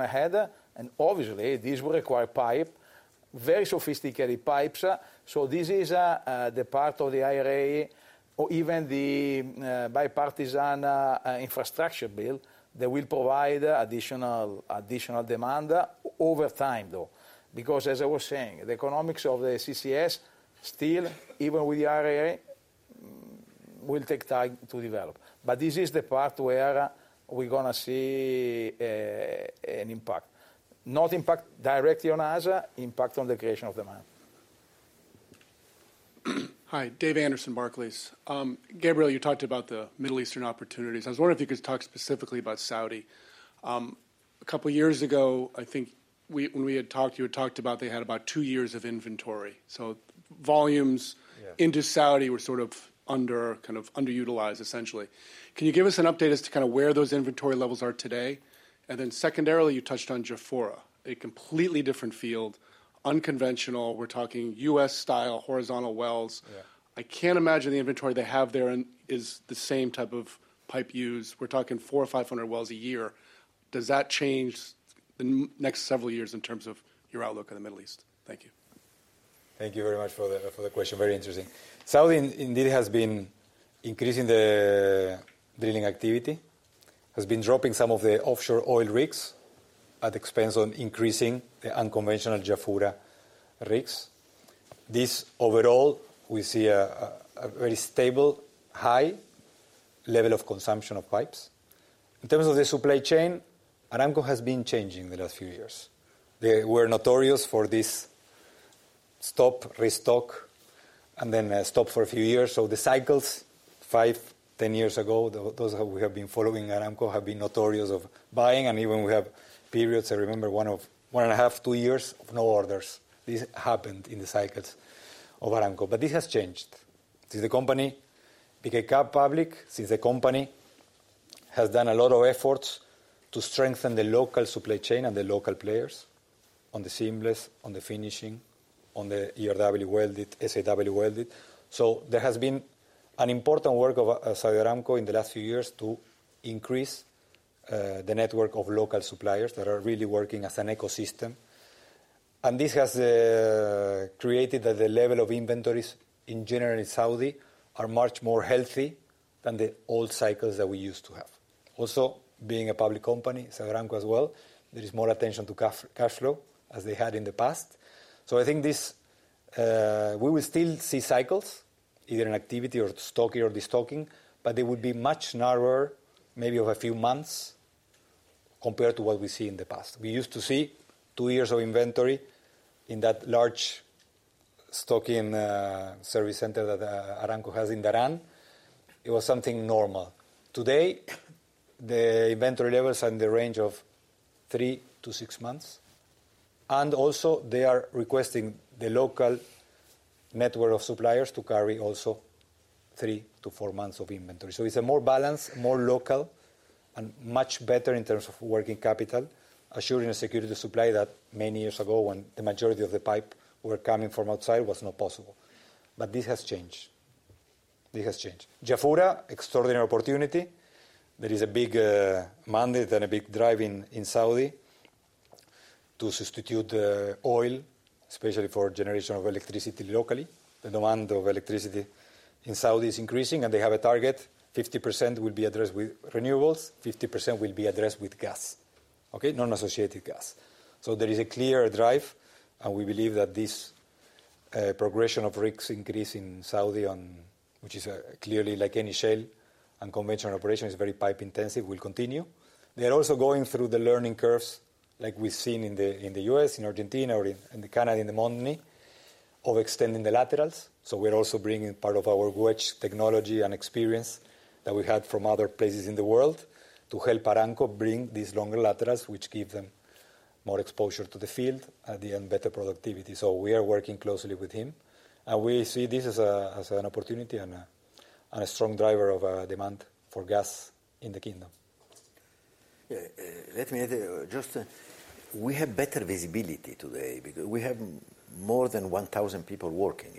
ahead, and obviously, this will require pipe, very sophisticated pipes. So this is the part of the IRA or even the bipartisan infrastructure bill that will provide additional demand over time, though. Because as I was saying, the economics of the CCS still even with the IRA, will take time to develop, but this is the part where we're gonna see an impact. Not impact directly on us, impact on the creation of demand.
Hi, Dave Anderson, Barclays. Gabriel, you talked about the Middle Eastern opportunities. I was wondering if you could talk specifically about Saudi. A couple years ago, I think we, when we had talked, you had talked about they had about two years of inventory, so volumes.
Yeah
Into Saudi were sort of under, kind of underutilized, essentially. Can you give us an update as to kind of where those inventory levels are today? And then secondarily, you touched on Jafurah, a completely different field, unconventional. We're talking US-style horizontal wells.
Yeah.
I can't imagine the inventory they have there in is the same type of pipe used. We're talking four or five hundred wells a year. Does that change the next several years in terms of your outlook on the Middle East? Thank you.
Thank you very much for the question. Very interesting. Saudi indeed has been increasing the drilling activity, has been dropping some of the offshore oil rigs at expense on increasing the unconventional Jafurah rigs. This, overall, we see a very stable, high level of consumption of pipes. In terms of the supply chain, Aramco has been changing in the last few years. They were notorious for this stop, restock, and then stop for a few years. So the cycles five, 10 years ago, those of we have been following Aramco, have been notorious of buying, and even we have periods, I remember one of one and a half, two years of no orders. This happened in the cycles of Aramco. But this has changed since the company became public, since the company has done a lot of efforts to strengthen the local supply chain and the local players on the seamless, on the finishing, on the ERW welded, SAW welded. So there has been an important work of Saudi Aramco in the last few years to increase the network of local suppliers that are really working as an ecosystem. And this has created that the level of inventories in general in Saudi are much more healthy than the old cycles that we used to have. Also, being a public company, Saudi Aramco as well, there is more attention to cash flow as they had in the past. So I think this, we will still see cycles, either in activity or stocking or destocking, but they would be much narrower, maybe of a few months, compared to what we see in the past. We used to see two years of inventory in that large stocking, service center that, Aramco has in Dhahran. It was something normal. Today, the inventory levels are in the range of three to six months, and also they are requesting the local network of suppliers to carry also three to four months of inventory. So it's a more balanced, more local, and much better in terms of working capital, assuring a security supply that many years ago, when the majority of the pipe were coming from outside, was not possible. But this has changed. This has changed. Jafurah, extraordinary opportunity. There is a big demand and a big drive in Saudi to substitute oil, especially for generation of electricity locally. The demand of electricity in Saudi is increasing, and they have a target: 50% will be addressed with renewables, 50% will be addressed with gas, okay? Non-associated gas. So there is a clear drive, and we believe that this progression of rigs increase in Saudi on which is clearly, like any shale and conventional operation, is very pipe intensive, will continue. They are also going through the learning curves, like we've seen in the U.S., in Argentina, or in Canada, in the Montney, of extending the laterals. We're also bringing part of our Wedge technology and experience that we had from other places in the world, to help Aramco bring these longer laterals, which give them more exposure to the field, and then better productivity. We are working closely with him, and we see this as an opportunity and a strong driver of demand for gas in the kingdom.
Yeah, let me add, just, we have better visibility today because we have more than one thousand people working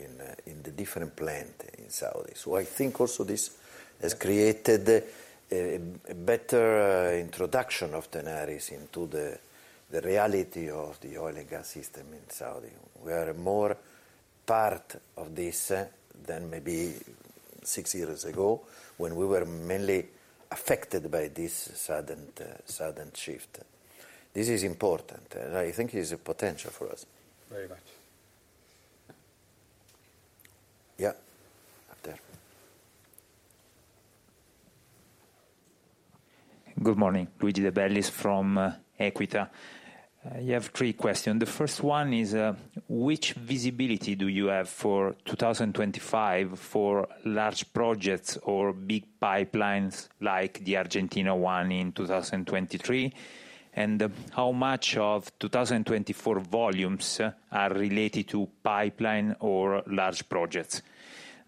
in the different plant in Saudi. So I think also this has created a better introduction of Tenaris into the reality of the oil and gas system in Saudi. We are more part of this than maybe six years ago, when we were mainly affected by this sudden shift. This is important, and I think it's a potential for us.
Very much.
Yeah, up there.
Good morning. Luigi De Bellis from Equita. I have three question. The first one is: Which visibility do you have for 2025 for large projects or big pipelines like the Argentina one in 2023? And how much of 2024 volumes are related to pipeline or large projects?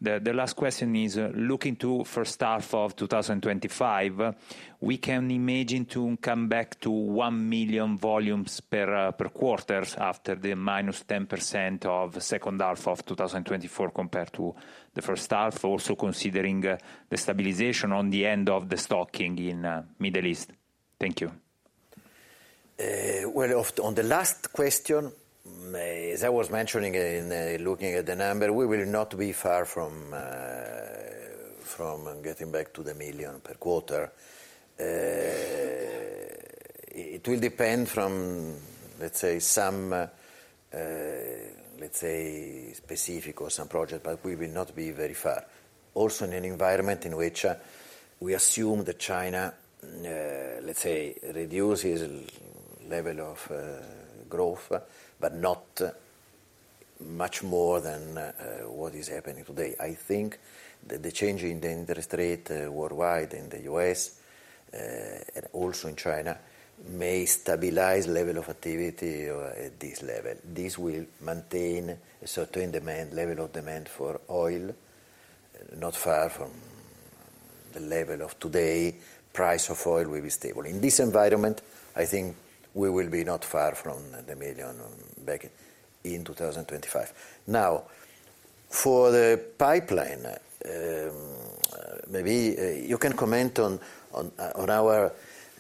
The last question is: Looking to first half of 2025, we can imagine to come back to one million volumes per quarters after the minus 10% of the second half of 2024 compared to the first half, also considering the stabilization on the end of the stocking in Middle East. Thank you.
Well, on the last question, as I was mentioning in looking at the number, we will not be far from getting back to the million per quarter. It will depend from, let's say, some specific or some project, but we will not be very far. Also, in an environment in which we assume that China, let's say, reduces level of growth, but not much more than what is happening today. I think that the change in the interest rate worldwide, in the U.S., and also in China, may stabilize level of activity or at this level. This will maintain a certain demand, level of demand for oil, not far from the level of today. Price of oil will be stable. In this environment, I think we will be not far from the million back in 2025. Now, for the pipeline, maybe you can comment on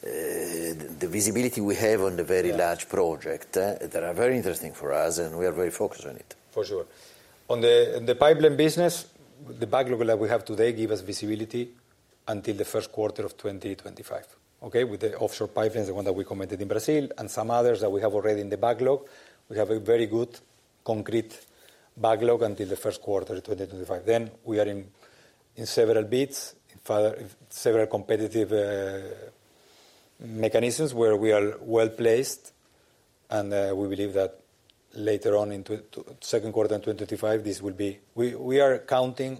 the visibility we have on the very large project that are very interesting for us, and we are very focused on it.
For sure. On the pipeline business, the backlog that we have today give us visibility until the first quarter of 2025, okay? With the offshore pipelines, the one that we commented in Brazil, and some others that we have already in the backlog, we have a very good concrete backlog until the first quarter of 2025. Then, we are in several bids, several competitive mechanisms where we are well placed, and we believe that later on in the second quarter in 2025, we are counting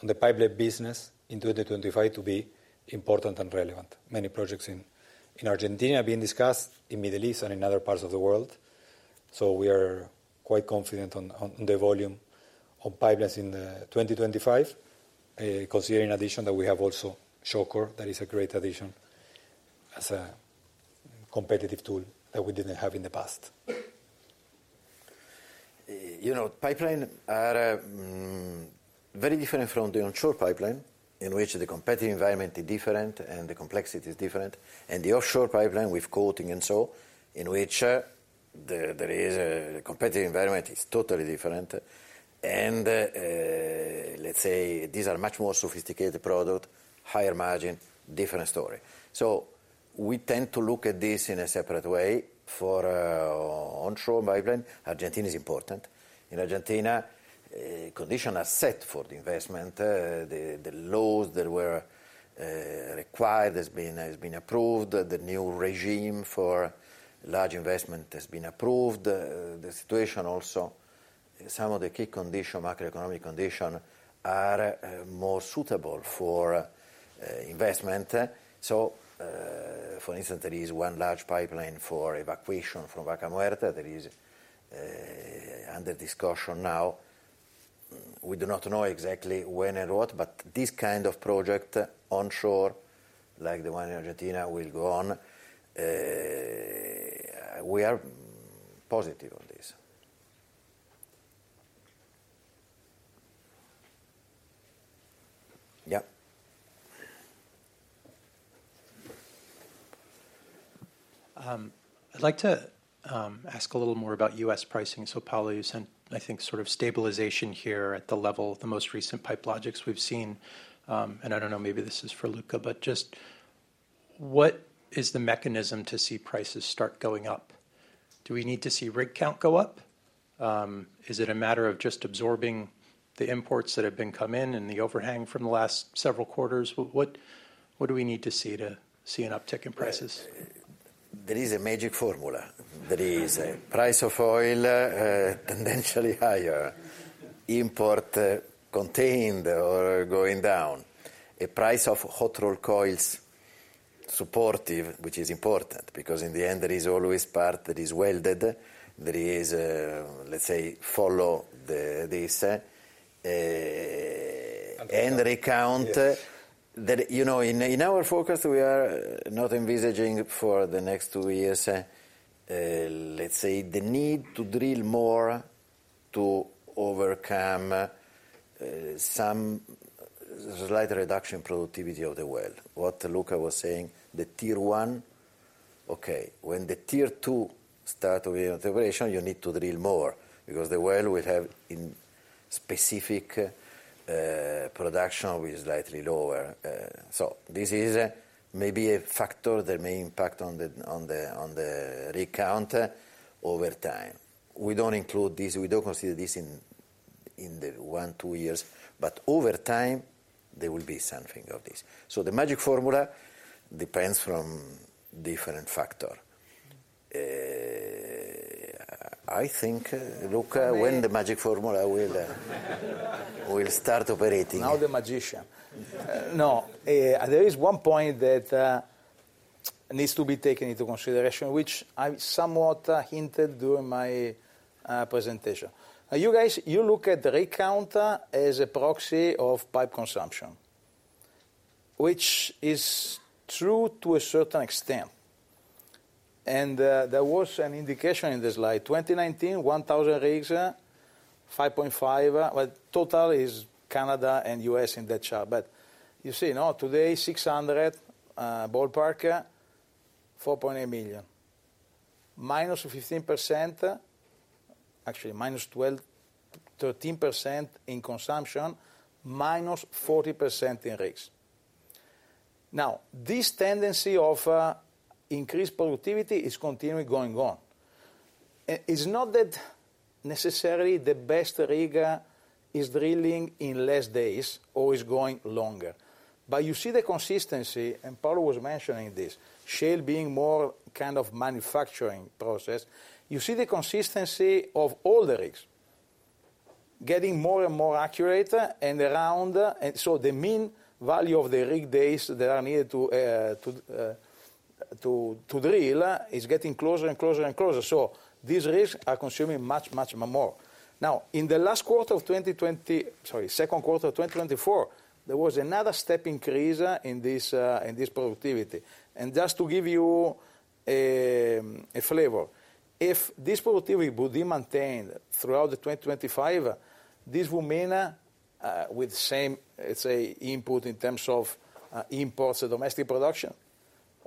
on the pipeline business in 2025 to be important and relevant. Many projects in Argentina are being discussed, in Middle East, and in other parts of the world, so we are quite confident on the volume of pipelines in 2025. Considering in addition that we have also Shawcor, that is a great addition as a competitive tool that we didn't have in the past.
You know, pipeline are very different from the onshore pipeline, in which the competitive environment is different and the complexity is different, and the offshore pipeline with coating and so on, in which the competitive environment is totally different, and let's say these are much more sophisticated product, higher margin, different story, so we tend to look at this in a separate way. For onshore pipeline, Argentina is important. In Argentina, condition are set for the investment. The laws that were required has been approved. The new regime for large investment has been approved. The situation also, some of the key condition, macroeconomic condition, are more suitable for investment, so for instance, there is one large pipeline for evacuation from Vaca Muerta that is under discussion now. We do not know exactly when and what, but this kind of project onshore, like the one in Argentina, will go on. We are positive on this. Yeah.
I'd like to ask a little more about U.S. pricing. So Paolo, you said, I think, sort of stabilization here at the level of the most recent price levels we've seen. And I don't know, maybe this is for Luca, but just what is the mechanism to see prices start going up? Do we need to see rig count go up? Is it a matter of just absorbing the imports that have been come in and the overhang from the last several quarters? What do we need to see to see an uptick in prices?
There is a magic formula. There is a price of oil, potentially higher, import contained or going down. A price of hot-rolled coils supportive, which is important, because in the end, there is always part that is welded. There is, let's say, follow the, this, and rig count.
Yes.
You know, in our forecast, we are not envisaging for the next two years, let's say, the need to drill more to overcome some slight reduction in productivity of the well. What Luca was saying, the Tier 1, okay. When the Tier 2 start to be in operation, you need to drill more, because the well will have in specific production will be slightly lower. So this is maybe a factor that may impact on the rig count over time. We don't include this, we don't consider this in the one, two years, but over time, there will be something of this. So the magic formula depends from different factor. I think, Luca, when the magic formula will start operating?
Now, the magician. No, there is one point that needs to be taken into consideration, which I somewhat hinted during my presentation. You guys, you look at the rig count as a proxy of pipe consumption, which is true to a certain extent. And there was an indication in the slide, 2019, 1,000 rigs, 5.5, well, total is Canada and U.S. in that chart. But you see, now today, 600, ballpark, 4.8 million. Minus 15%, actually minus 12-13% in consumption, minus 40% in rigs. Now, this tendency of increased productivity is continually going on. It's not that necessarily the best rig is drilling in less days or is going longer, but you see the consistency, and Paolo was mentioning this, shale being more kind of manufacturing process. You see the consistency of all the rigs getting more and more accurate and around, and so the mean value of the rig days that are needed to drill is getting closer and closer and closer. So these rigs are consuming much, much more. Now, in the last quarter of twenty twenty - sorry, second quarter of 2024, there was another step increase in this productivity. Just to give you a flavor, if this productivity would be maintained throughout the 2025, this will mean, with the same, let's say, input in terms of imports and domestic production,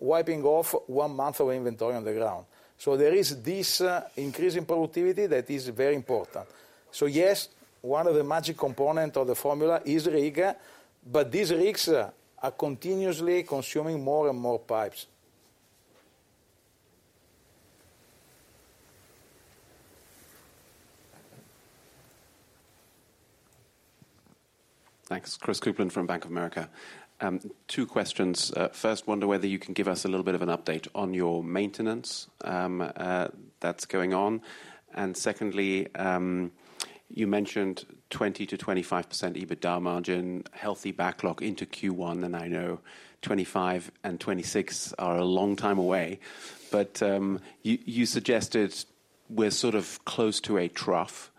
wiping off one month of inventory on the ground. There is this increase in productivity that is very important. Yes, one of the magic component of the formula is rig, but these rigs are continuously consuming more and more pipes.
Thanks. Chris Kuplent from Bank of America. Two questions. First, wonder whether you can give us a little bit of an update on your maintenance, that's going on. And secondly, you mentioned 20%-25% EBITDA margin, healthy backlog into Q1, and I know 2025 and 2026 are a long time away, but, you, you suggested we're sort of close to a trough.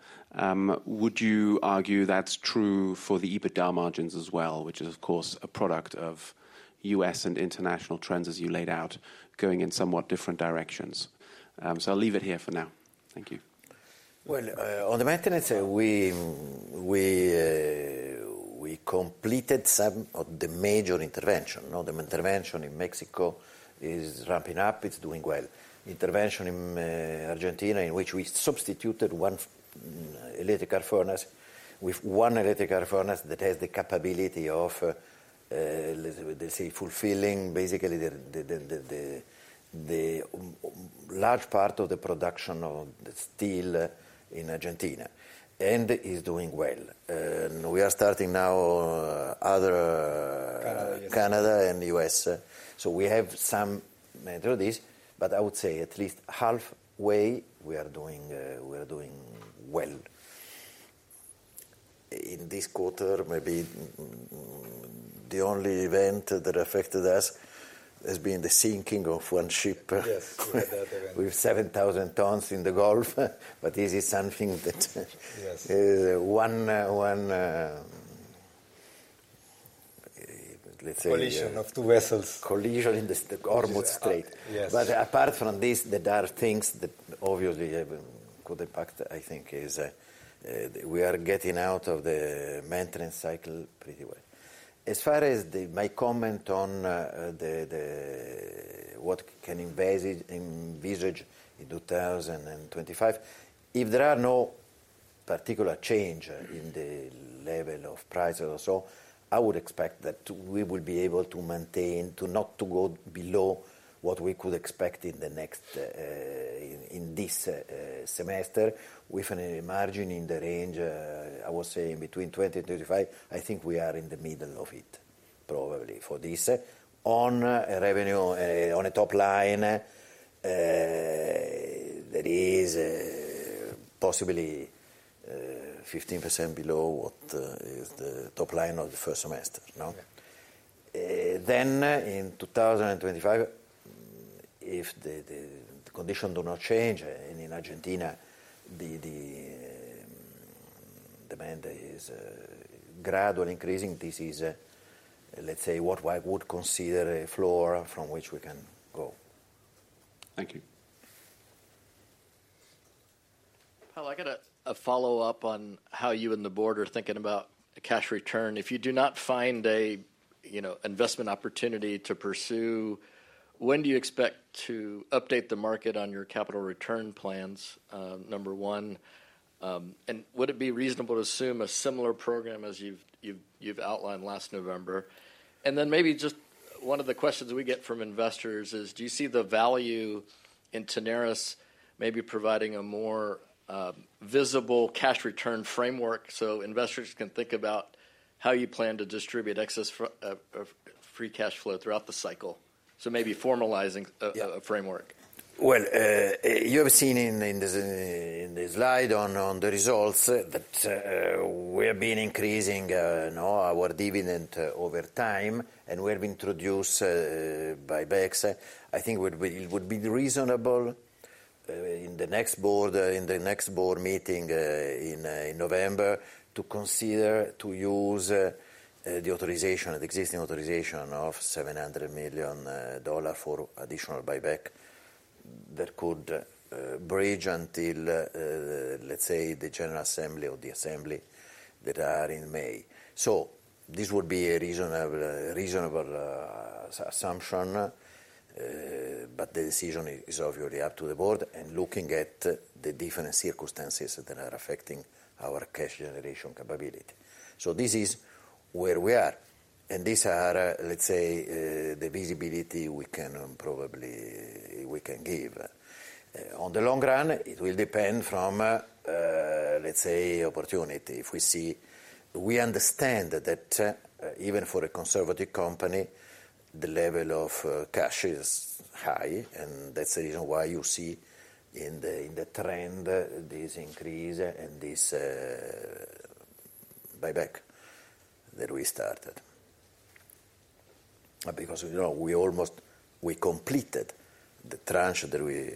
Would you argue that's true for the EBITDA margins as well, which is, of course, a product of US and international trends as you laid out, going in somewhat different directions? So I'll leave it here for now. Thank you.
Well, on the maintenance, we completed some of the major intervention. Now, the intervention in Mexico is ramping up, it's doing well. Intervention in Argentina, in which we substituted one electrical furnace with one electrical furnace that has the capability of, let's say, fulfilling basically the large part of the production of the steel in Argentina, and it's doing well. We are starting now, other-
Canada.
Canada and U.S. So we have some measure of this, but I would say at least halfway, we are doing, we are doing well. In this quarter, maybe the only event that affected us has been the sinking of one ship...
Yes, we had that event.
With 7,000 tons in the Gulf, but this is something that-
Yes
One, let's say-
Collision of two vessels.
Collision in the Hormuz Strait.
Yes.
But apart from this, there are things that obviously have could impact. I think we are getting out of the maintenance cycle pretty well. As far as my comment on the what can envisage in 2025, if there are no particular change in the level of prices or so, I would expect that we will be able to maintain not to go below what we could expect in the next in this semester, with a margin in the range I would say between 20 and 35. I think we are in the middle of it, probably for this. On a revenue on a top line there is possibly 15% below what is the top line of the first semester, no?
Yeah.
Then, in two thousand and twenty-five, if the demand is gradually increasing, this is, let's say, what I would consider a floor from which we can go.
Thank you.
Paolo, I got a follow-up on how you and the board are thinking about the cash return. If you do not find a, you know, investment opportunity to pursue, when do you expect to update the market on your capital return plans, number one, and would it be reasonable to assume a similar program as you've outlined last November? And then maybe just one of the questions we get from investors is, do you see the value in Tenaris maybe providing a more visible cash return framework so investors can think about how you plan to distribute excess free cash flow throughout the cycle? So maybe formalizing a framework.
You have seen in the slide on the results that we have been increasing, you know, our dividend over time, and we have introduced buybacks. I think it would be reasonable in the next board meeting in November to consider to use the existing authorization of $700 million for additional buyback that could bridge until, let's say, the General Assembly or the assembly that are in May. So this would be a reasonable assumption, but the decision is obviously up to the board and looking at the different circumstances that are affecting our cash generation capability. So this is where we are, and these are, let's say, the visibility we can probably give. On the long run, it will depend from, let's say, opportunity. If we see, we understand that, even for a conservative company, the level of cash is high, and that's the reason why you see in the trend, this increase and this buyback that we started. Because, you know, we almost completed the tranche that we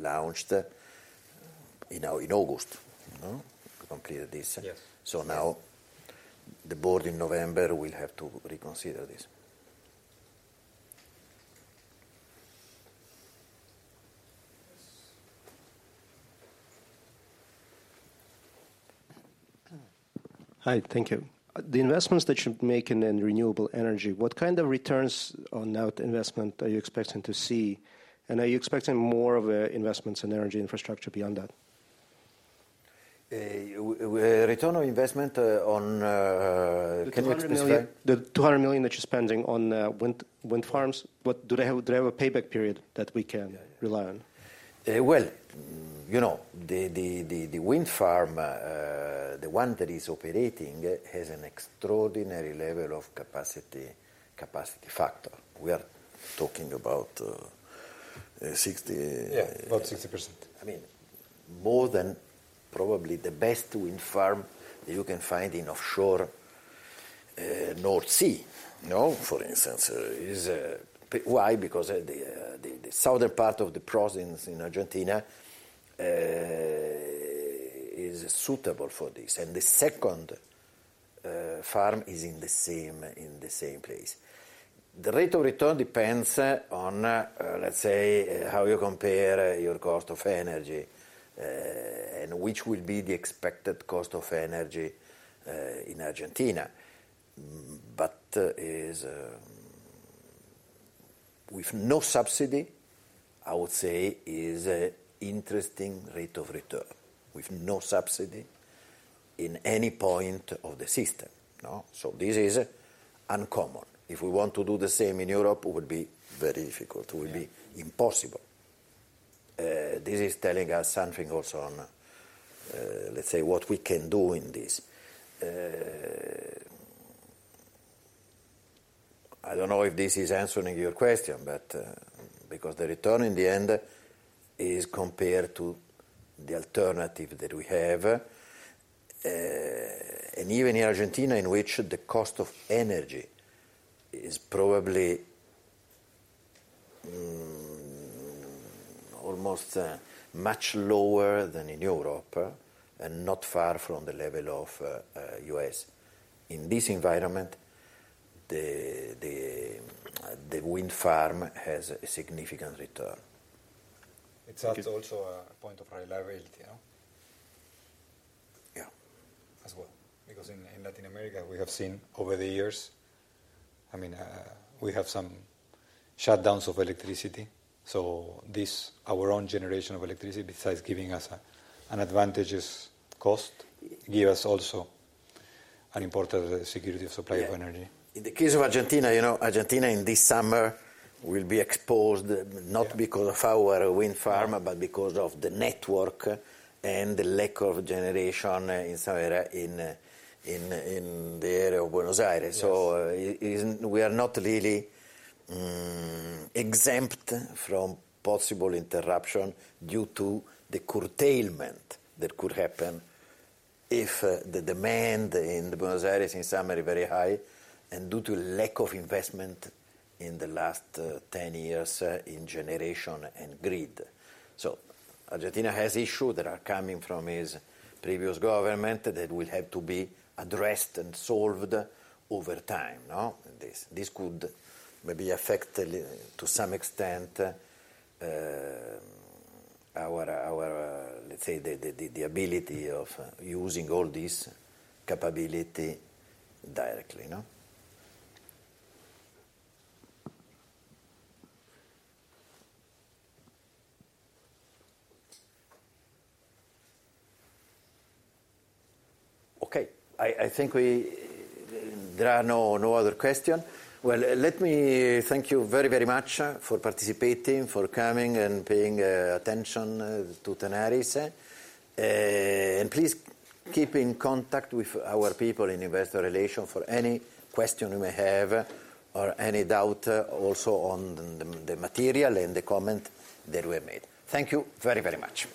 launched in August, you know? We completed this.
Yes.
Now, the board in November will have to reconsider this. Hi, thank you. The investments that you're making in renewable energy, what kind of returns on that investment are you expecting to see? And are you expecting more of, investments in energy infrastructure beyond that? Return on investment, can you explain? The $200 million that you're spending on wind farms. Do they have a payback period that we can rely on? Well, you know, the wind farm, the one that is operating, has an extraordinary level of capacity factor. We are talking about sixty-
Yeah, about 60%.
I mean, more than probably the best wind farm that you can find in offshore North Sea, you know? For instance, is. Why? Because, the southern part of the province in Argentina, is suitable for this, and the second farm is in the same place. The rate of return depends on, let's say, how you compare your cost of energy, and which will be the expected cost of energy, in Argentina. But is, with no subsidy, I would say, is a interesting rate of return, with no subsidy in any point of the system, no? So this is uncommon. If we want to do the same in Europe, it will be very difficult.
Yeah.
It will be impossible. This is telling us something also on, let's say, what we can do in this. I don't know if this is answering your question, but because the return in the end is compared to the alternative that we have, and even in Argentina, in which the cost of energy is probably almost much lower than in Europe, and not far from the level of U.S. In this environment, the wind farm has a significant return.
It adds also a point of reliability, you know.
Yeah.
As well, because in Latin America, we have seen over the years, I mean, we have some shutdowns of electricity. So this, our own generation of electricity, besides giving us an advantageous cost, give us also an important security of supply of energy.
Yeah. In the case of Argentina, you know, Argentina in this summer will be exposed-
Yeah
Not because of our wind farm, but because of the network and the lack of generation in some area, in the area of Buenos Aires.
Yes.
So it isn't we are not really exempt from possible interruption due to the curtailment that could happen if the demand in Buenos Aires in summer is very high, and due to lack of investment in the last 10 years in generation and grid. Argentina has issues that are coming from its previous government that will have to be addressed and solved over time, no? This could maybe affect to some extent our let's say the ability of using all this capability directly, you know? Okay. I think we there are no other question. Let me thank you very, very much for participating, for coming and paying attention to Tenaris. And please keep in contact with our people in investor relations for any question you may have, or any doubt also on the material and the comments that were made. Thank you very, very much.